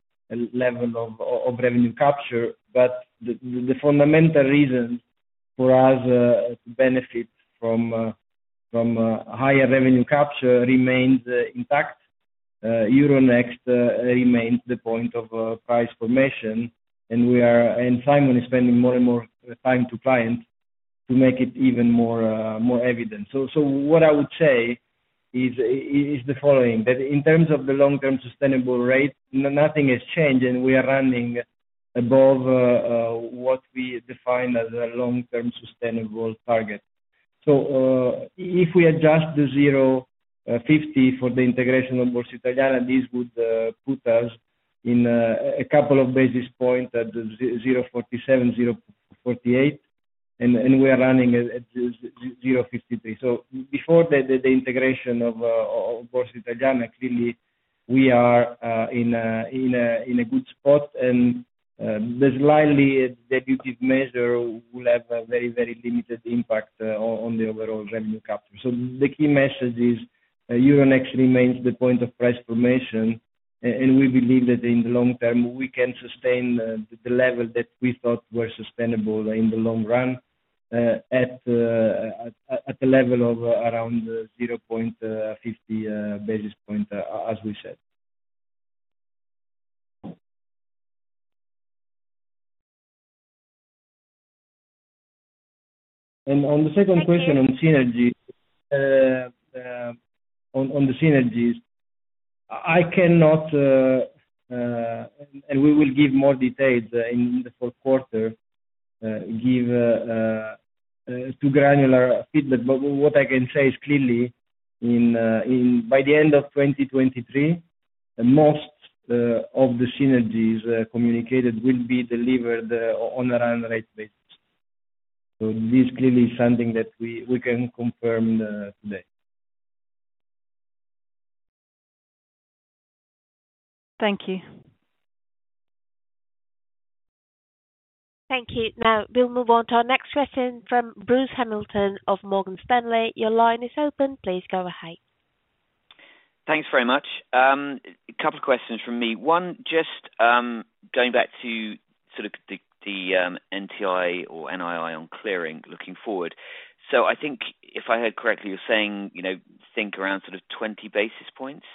level of revenue capture. The fundamental reason for us to benefit from higher revenue capture remains intact. Euronext remains the point of price formation, and we are. Simon is spending more and more time to clients to make it even more evident. What I would say is the following. That in terms of the long-term sustainable rate, nothing has changed, and we are running above what we define as a long-term sustainable target. If we adjust the 0.50% for the integration of Borsa Italiana, this would put us in a couple of basis points at 0.47%-0.48%, and we are running at 0.53%. Before the integration of Borsa Italiana, clearly we are in a good spot. The slightly dilutive measure will have a very limited impact on the overall revenue capture. The key message is, Euronext remains the point of price formation. We believe that in the long term we can sustain the level that we thought were sustainable in the long run at the level of around 0.50 basis point as we said. On the second question, on synergies, I cannot give too granular a feedback and we will give more details in the fourth quarter. What I can say is clearly by the end of 2023, most of the synergies communicated will be delivered on a run-rate basis. This clearly is something that we can confirm today. Thank you. Thank you. Now, we'll move on to our next question from Bruce Hamilton of Morgan Stanley. Your line is open. Please go ahead. Thanks very much. A couple of questions from me. One, just going back to sort of the NTI or NII on clearing looking forward. I think if I heard correctly, you're saying, you know, think around sort of 20 basis points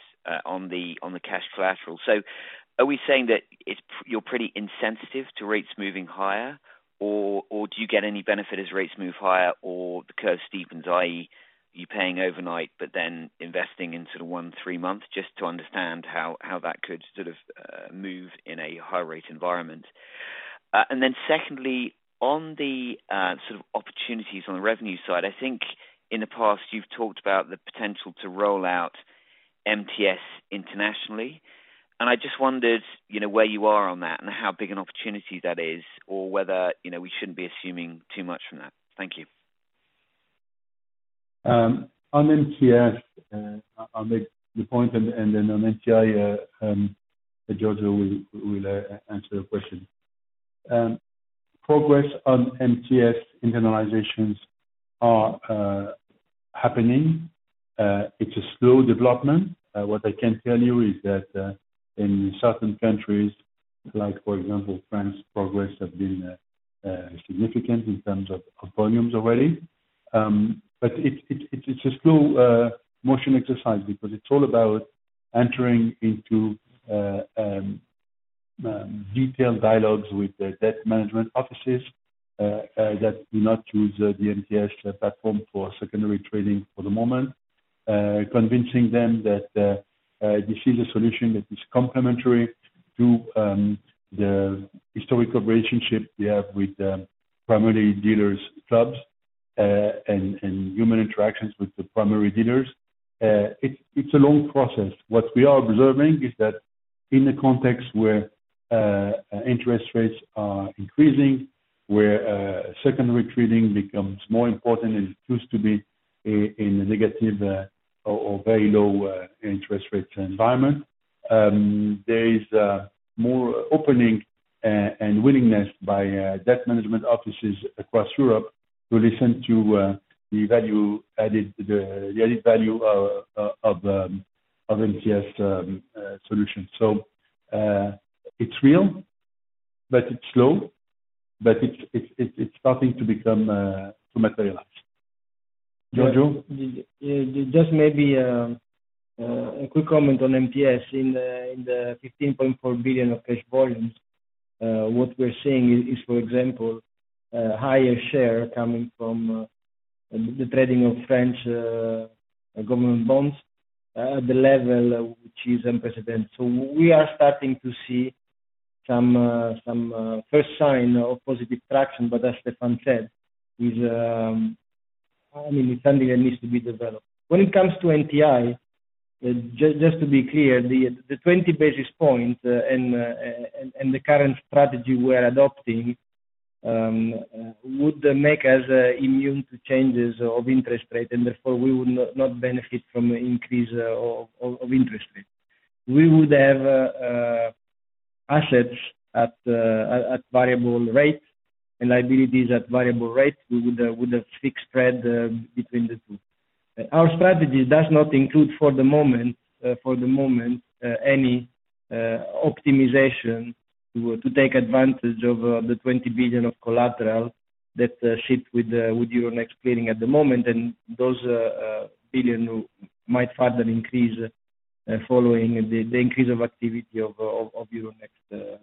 on the cash collateral. Are we saying that it's you're pretty insensitive to rates moving higher, or do you get any benefit as rates move higher or the curve steepens, i.e., you're paying overnight but then investing in sort of one, three months, just to understand how that could sort of move in a high rate environment. Secondly, on the sort of opportunities on the revenue side, I think in the past you've talked about the potential to roll out MTS internationally. I just wondered, you know, where you are on that and how big an opportunity that is, or whether, you know, we shouldn't be assuming too much from that. Thank you. On MTS, I'll make the point and then on NTI, Giorgio will answer the question. Progress on MTS internalizations are happening. It's a slow development. What I can tell you is that in certain countries, like for example, France, progress have been significant in terms of volumes already. It's a slow motion exercise because it's all about entering into detailed dialogues with the debt management offices that do not use the MTS platform for secondary trading for the moment, convincing them that this is a solution that is complementary to the historic relationship we have with the primary dealers clubs, and human interactions with the primary dealers. It's a long process. What we are observing is that in a context where interest rates are increasing, where secondary trading becomes more important as it used to be in a negative or very low interest rate environment, there is more opening and willingness by debt management offices across Europe to listen to the added value of MTS solution. It's real, but it's slow. It's starting to materialize. Giorgio? Just maybe a quick comment on MTS. In the 15.4 billion of cash volumes, what we're seeing is, for example, higher share coming from the trading of French government bonds at a level which is unprecedented. We are starting to see some first sign of positive traction. As Stéphane said, I mean, it's something that needs to be developed. When it comes to NTI, just to be clear, the 20 basis points and the current strategy we're adopting. It would make us immune to changes of interest rate, and therefore, we would not benefit from the increase of interest rate. We would have assets at variable rates and liabilities at variable rates. We would have fixed spread between the two. Our strategy does not include, for the moment, any optimization to take advantage of the 20 billion of collateral that sits with Euronext Clearing at the moment, and those billion might further increase following the increase of activity of Euronext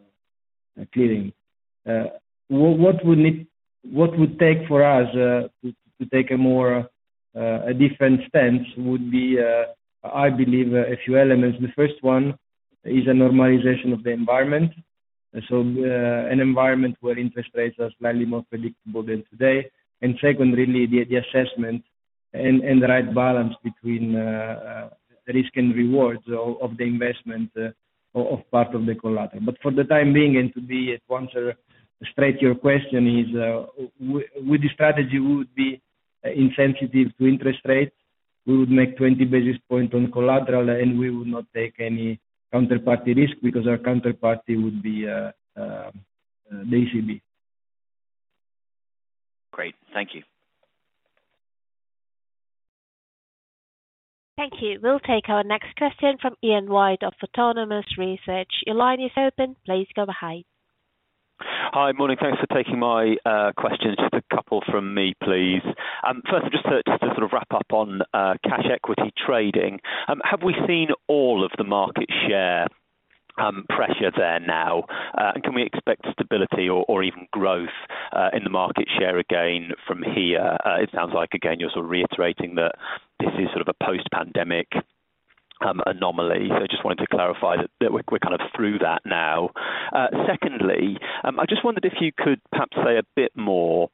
Clearing. What it would take for us to take a more different stance would be, I believe, a few elements. The first one is a normalization of the environment. An environment where interest rates are slightly more predictable than today. Really the assessment and the right balance between risk and reward of the investment of part of the collateral. But for the time being, and to be at once straight to your question is, with the strategy, we would be insensitive to interest rates. We would make 20 basis points on collateral, and we would not take any counterparty risk because our counterparty would be the ECB. Great. Thank you. Thank you. We'll take our next question from Ian White of Autonomous Research. Your line is open. Please go ahead. Hi. Morning. Thanks for taking my questions. Just a couple from me, please. First, just to sort of wrap up on cash equity trading. Have we seen all of the market share pressure there now? Can we expect stability or even growth in the market share again from here? It sounds like, again, you're sort of reiterating that this is sort of a post-pandemic anomaly. Just wanted to clarify that we're kind of through that now. Secondly, I just wondered if you could perhaps say a bit more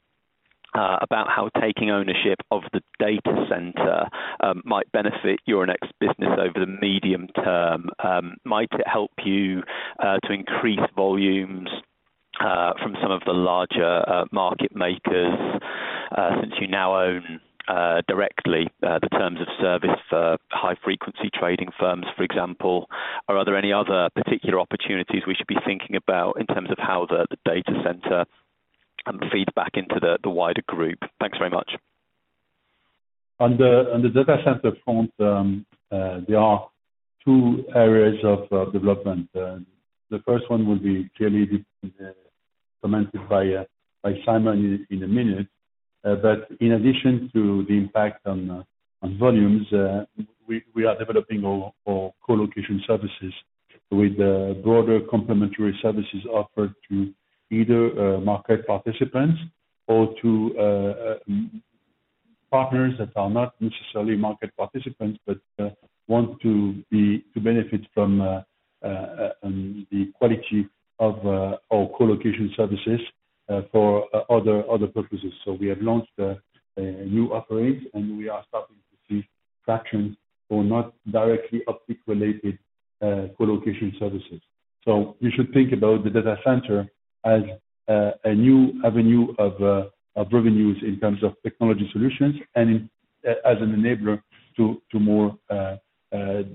about how taking ownership of the data center might benefit your next business over the medium term. Might it help you to increase volumes from some of the larger market makers since you now own directly the terms of service for high-frequency trading firms, for example? Are there any other particular opportunities we should be thinking about in terms of how the data center feeds back into the wider group? Thanks very much. On the data center front, there are two areas of development. The first one will be clearly commented by Simon in a minute. In addition to the impact on volumes, we are developing our co-location services with broader complementary services offered to either market participants or to partners that are not necessarily market participants, but want to benefit from the quality of our co-location services for other purposes. We have launched a new offering, and we are starting to see traction for not directly uptick-related co-location services. We should think about the data center as a new avenue of revenues in terms of technology solutions and as an enabler to more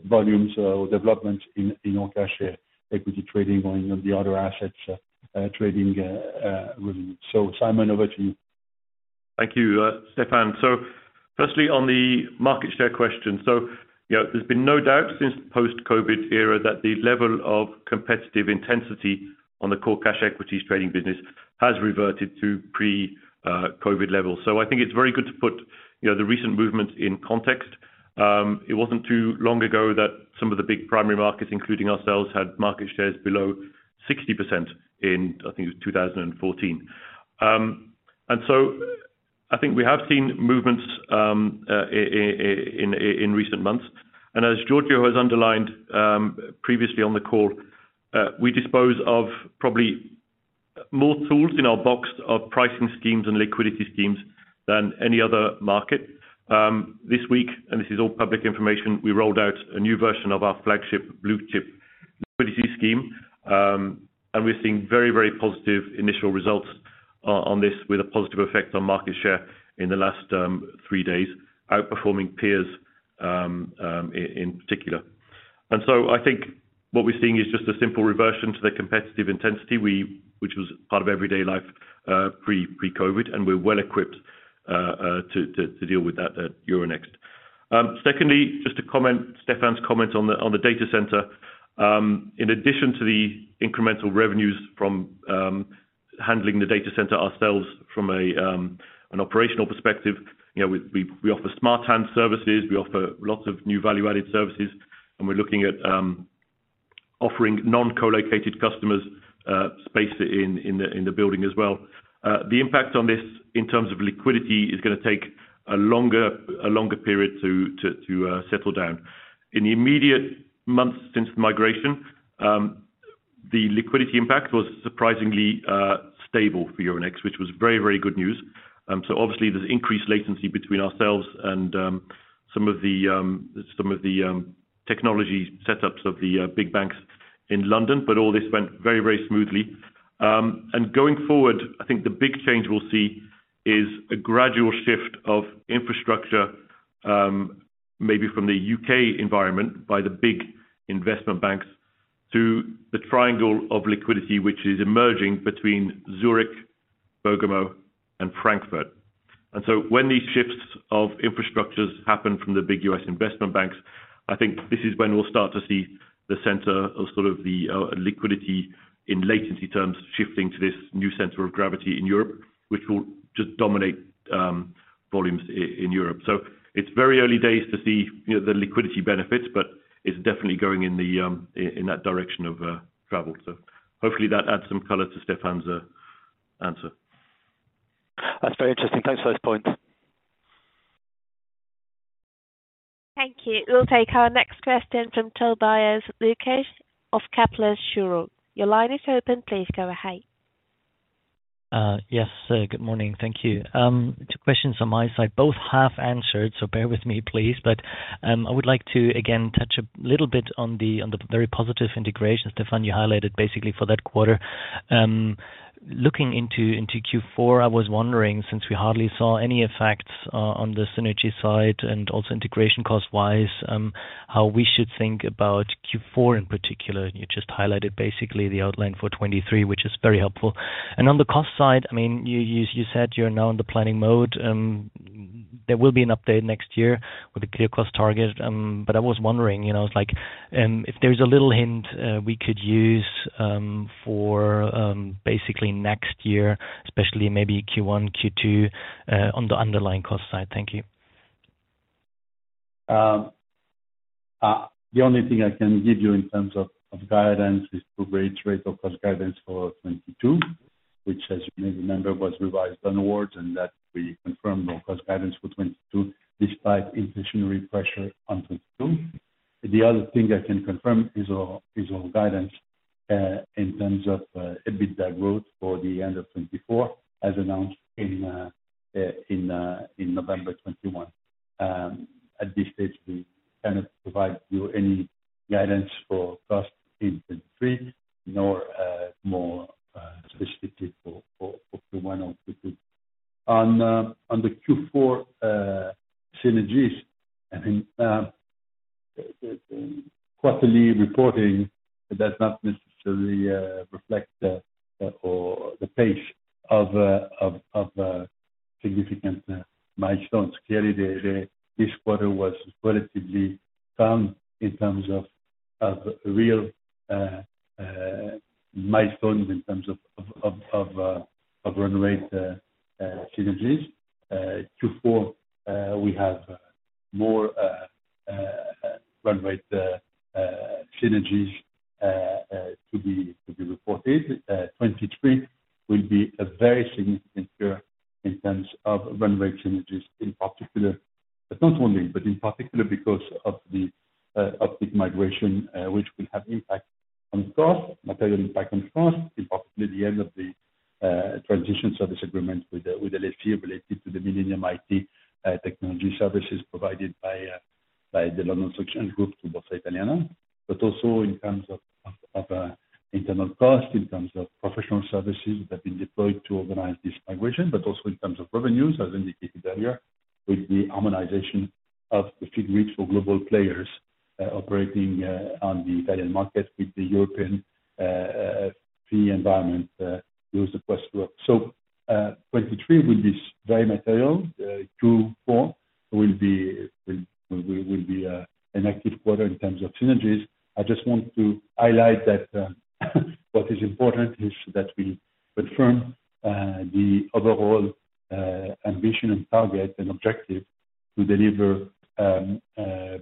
volumes or development in our cash equities, equity trading or any of the other assets trading revenues. Simon, over to you. Thank you, Stéphane. Firstly, on the market share question. You know, there's been no doubt since the post-COVID era that the level of competitive intensity on the core cash equities trading business has reverted to pre-COVID levels. I think it's very good to put, you know, the recent movement in context. It wasn't too long ago that some of the big primary markets, including ourselves, had market shares below 60% in, I think it was 2014. I think we have seen movements in recent months. As Giorgio has underlined previously on the call, we dispose of probably more tools in our box of pricing schemes and liquidity schemes than any other market. This week, this is all public information, we rolled out a new version of our flagship blue-chip liquidity scheme. We're seeing very positive initial results on this with a positive effect on market share in the last three days, outperforming peers, in particular. I think what we're seeing is just a simple reversion to the competitive intensity which was part of everyday life pre-COVID, and we're well equipped to deal with that at Euronext. Secondly, just to comment, Stéphane's comment on the data center. In addition to the incremental revenues from handling the data center ourselves from an operational perspective, you know, we offer smart hands services, we offer lots of new value-added services, and we're looking at offering non-co-located customers space in the building as well. The impact on this in terms of liquidity is gonna take a longer period to settle down. In the immediate months since migration, the liquidity impact was surprisingly stable for Euronext, which was very good news. Obviously there's increased latency between ourselves and some of the technology setups of the big banks in London, but all this went very smoothly. Going forward, I think the big change we'll see is a gradual shift of infrastructure, maybe from the U.K. environment by the big investment banks to the triangle of liquidity which is emerging between Zurich, Bergamo, and Frankfurt. When these shifts of infrastructures happen from the big U.S. investment banks, I think this is when we'll start to see the center of sort of the liquidity in latency terms shifting to this new center of gravity in Europe, which will just dominate volumes in Europe. It's very early days to see, you know, the liquidity benefits, but it's definitely going in that direction of travel. Hopefully that adds some color to Stéphane's answer. That's very interesting. Thanks for those points. Thank you. We'll take our next question from Tobias Lukesch of Kepler Cheuvreux. Your line is open. Please go ahead. Yes, good morning. Thank you. Two questions on my side, both half answered, so bear with me, please. I would like to, again, touch a little bit on the very positive integration, Stéphane, you highlighted basically for that quarter. Looking into Q4, I was wondering, since we hardly saw any FX on the synergy side and also integration cost-wise, how we should think about Q4 in particular. You just highlighted basically the outline for 2023, which is very helpful. On the cost side, I mean, you said you're now in the planning mode. There will be an update next year with a clear cost target. I was wondering, you know, like, if there's a little hint we could use for basically next year, especially maybe Q1, Q2, on the underlying cost side? Thank you. The only thing I can give you in terms of guidance is to reiterate our cost guidance for 2022, which, as you may remember, was revised upwards, and that we confirmed our cost guidance for 2022 despite inflationary pressure on 2022. The other thing I can confirm is our guidance in terms of EBITDA growth for the end of 2024, as announced in November 2021. At this stage, we cannot provide you any guidance for costs in 2023, nor more specifically for Q1 or Q2. On the Q4 synergies, I think quarterly reporting does not necessarily reflect the pace of significant milestones. Clearly, this quarter was relatively calm in terms of real milestones in terms of run rate synergies. Q4, we have more run rate synergies to be reported. 2023 will be a very significant year in terms of run rate synergies in particular, but not only, but in particular because of the Optiq migration, which will have impact on cost, material impact on cost, and possibly the end of the transition service agreement with LSEG related to the MillenniumIT technology services provided by the London Stock Exchange Group to Borsa Italiana. Also in terms of internal costs, in terms of professional services that have been deployed to organize this migration, but also in terms of revenues, as indicated earlier, with the harmonization of the fee structure for global players operating on the Italian market with the European fee environment, Euronext. 2023 will be very material. Q4 will be an active quarter in terms of synergies. I just want to highlight that, what is important is that we confirm the overall ambition and target and objective to deliver,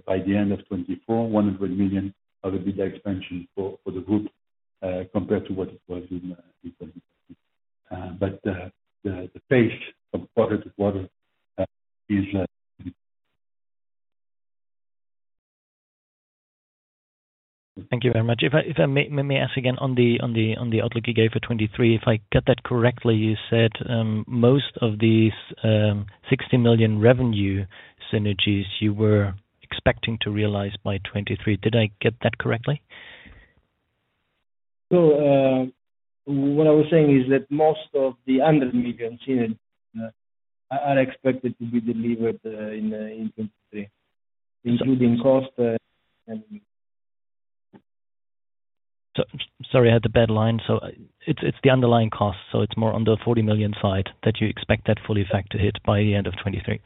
by the end of 2024, 100 million of EBITDA expansion for the group, compared to what it was in 2022. the pace from quarter to quarter is. Thank you very much. If I may ask again on the outlook you gave for 2023. If I get that correctly, you said most of these 60 million revenue synergies you were expecting to realize by 2023. Did I get that correctly? What I was saying is that most of the 100 million synergy are expected to be delivered in 2023, including cost and revenues. Sorry, I had a bad line. It's the underlying cost, so it's more on the 40 million side that you expect that full effect to hit by the end of 2023?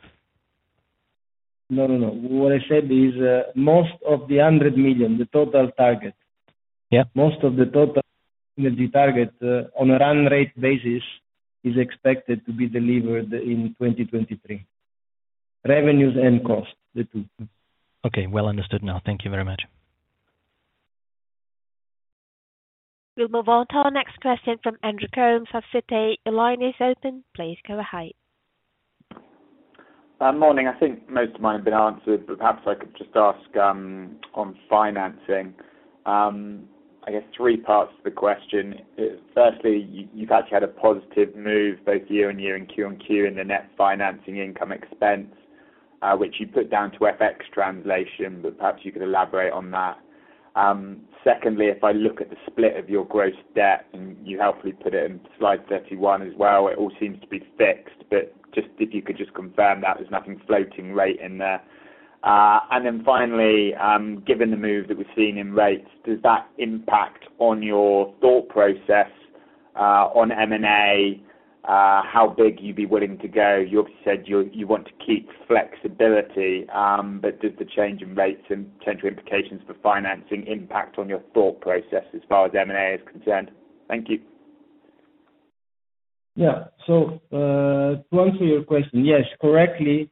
No, no. What I said is, most of the 100 million, the total target. Yeah. Most of the total synergy target, on a run rate basis, is expected to be delivered in 2023. Revenues and costs, the two. Okay. Well understood now. Thank you very much. We'll move on to our next question from Andrew Coombs of Citi. Your line is open. Please go ahead. Morning. I think most of mine have been answered, but perhaps I could just ask on financing. I guess three parts to the question. Firstly, you've actually had a positive move both year-on-year and QoQ in the net financing income expense, which you put down to FX translation, but perhaps you could elaborate on that. Secondly, if I look at the split of your gross debt, and you helpfully put it in slide 21 as well, it all seems to be fixed. Just if you could just confirm that there's nothing floating rate in there. Then finally, given the move that we're seeing in rates, does that impact on your thought process on M&A, how big you'd be willing to go? You obviously said you want to keep flexibility, but does the change in rates and potential implications for financing impact on your thought process as far as M&A is concerned? Thank you. Yeah. To answer your question, yes. Correctly,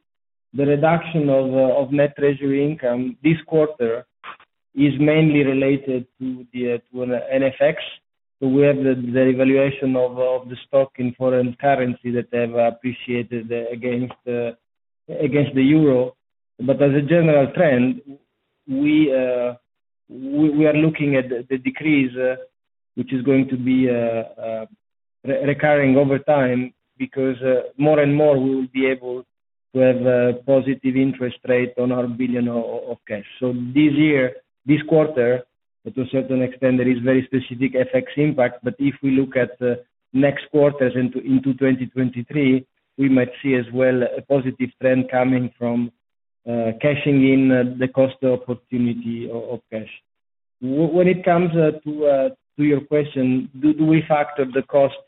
the reduction of net treasury income this quarter is mainly related to the FX. We have the revaluation of the stock in foreign currency that have appreciated against the euro. As a general trend, we are looking at the decrease, which is going to be recurring over time because more and more we will be able to have a positive interest rate on our billion of cash. This year, this quarter, to a certain extent, there is very specific FX impact. If we look at the next quarters into 2023, we might see as well a positive trend coming from cashing in on the opportunity cost of cash. When it comes to your question, do we factor the cost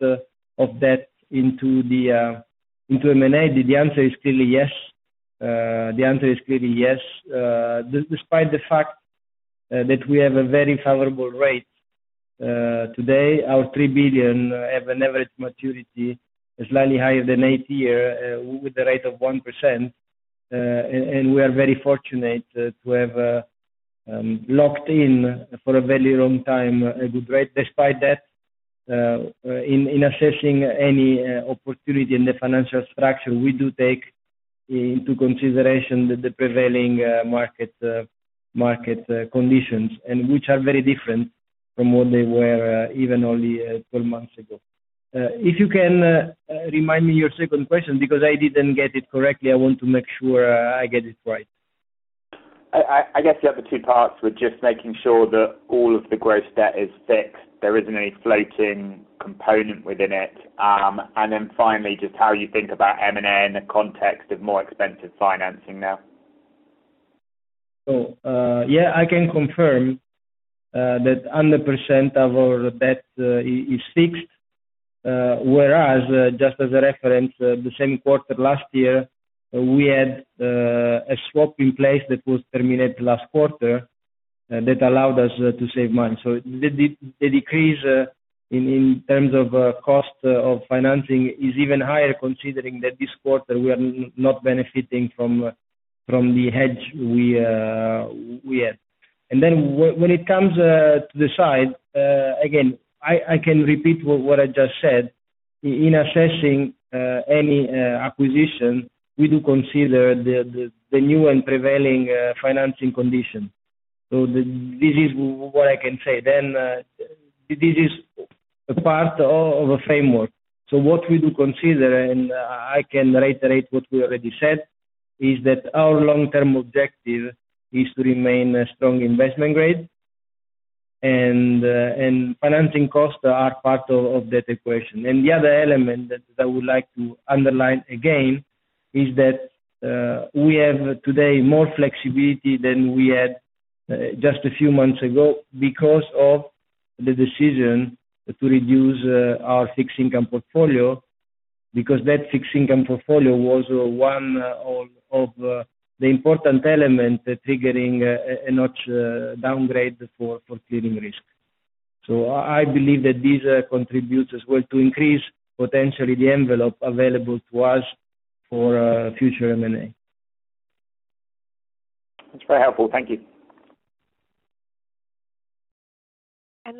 of debt into M&A? The answer is clearly yes. Despite the fact that we have a very favorable rate today, our 3 billion have an average maturity slightly higher than eight year with a rate of 1%. We are very fortunate to have locked in for a very long time a good rate. Despite that, in assessing any opportunity in the financial structure, we do take into consideration the prevailing market conditions, which are very different from what they were even only 12 months ago. If you can remind me your second question because I didn't get it correctly, I want to make sure I get it right. I guess the other two parts were just making sure that all of the gross debt is fixed. There isn't any floating component within it. Finally, just how you think about M&A in the context of more expensive financing now? I can confirm that 100% of our debt is fixed. Whereas just as a reference, the same quarter last year, we had a swap in place that was terminated last quarter that allowed us to save money. The decrease in terms of cost of financing is even higher considering that this quarter we are not benefiting from the hedge we had. When it comes to the side, again, I can repeat what I just said. In assessing any acquisition, we do consider the new and prevailing financing condition. This is what I can say. This is part of a framework. What we do consider, and I can reiterate what we already said, is that our long-term objective is to remain a strong investment grade. Financing costs are part of that equation. The other element that I would like to underline again is that we have today more flexibility than we had just a few months ago because of the decision to reduce our fixed income portfolio, because that fixed income portfolio was one of the important element triggering a notch downgrade for clearing risk. I believe that this contributes as well to increase potentially the envelope available to us for future M&A. That's very helpful. Thank you.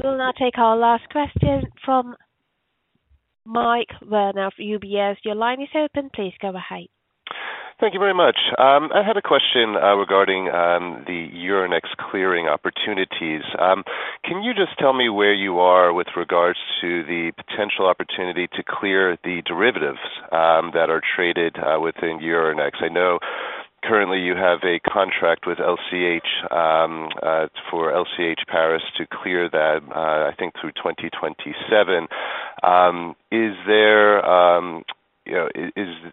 We'll now take our last question from Michael Werner of UBS. Your line is open. Please go ahead. Thank you very much. I had a question regarding the Euronext clearing opportunities. Can you just tell me where you are with regards to the potential opportunity to clear the derivatives that are traded within Euronext? I know currently you have a contract with LCH for LCH Paris to clear that, I think through 2027. Is there, you know,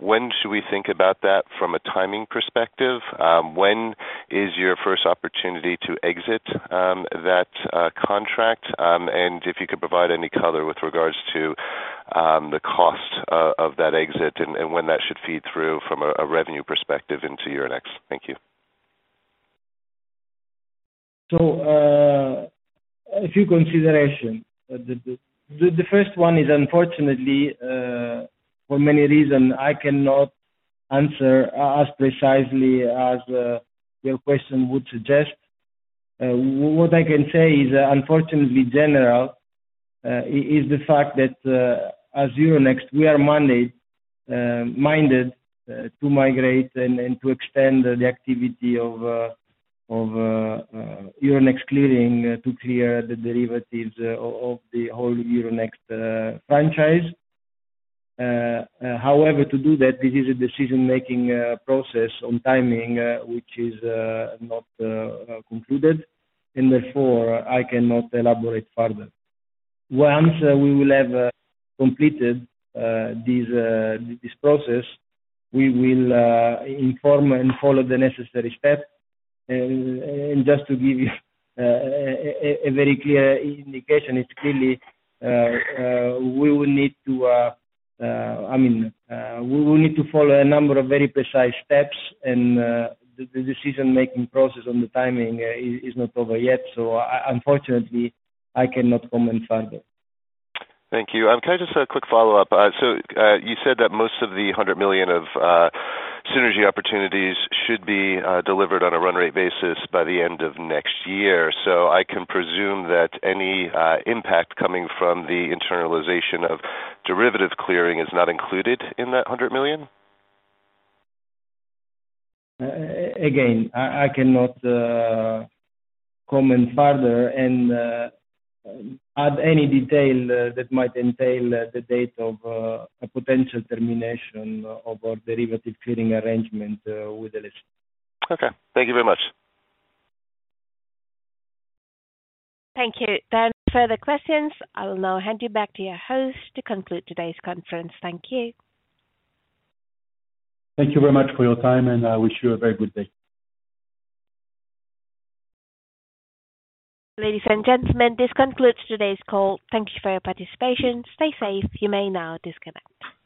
when should we think about that from a timing perspective? When is your first opportunity to exit that contract? And if you could provide any color with regards to the cost of that exit and when that should feed through from a revenue perspective into Euronext? Thank you. A few considerations. The first one is unfortunately, for many reasons, I cannot answer as precisely as your question would suggest. What I can say is unfortunately in general, is the fact that, as Euronext, we are mandated to migrate and to extend the activity of Euronext Clearing to clear the derivatives of the whole Euronext franchise. However, to do that, this is a decision-making process on timing which is not concluded, and therefore I cannot elaborate further. Once we will have completed this process, we will inform and follow the necessary steps. Just to give you a very clear indication, it's clearly we will need to. I mean, we will need to follow a number of very precise steps and, the decision-making process on the timing, is not over yet. Unfortunately, I cannot comment further. Thank you. Can I just quick follow up? You said that most of the 100 million of synergy opportunities should be delivered on a run rate basis by the end of next year. I can presume that any impact coming from the internalization of derivative clearing is not included in that 100 million? Again, I cannot comment further and add any detail that might entail the date of a potential termination of our derivative clearing arrangement with LCH. Okay. Thank you very much. Thank you. There are no further questions. I'll now hand you back to your host to conclude today's conference. Thank you. Thank you very much for your time, and I wish you a very good day. Ladies and gentlemen, this concludes today's call. Thank you for your participation. Stay safe. You may now disconnect.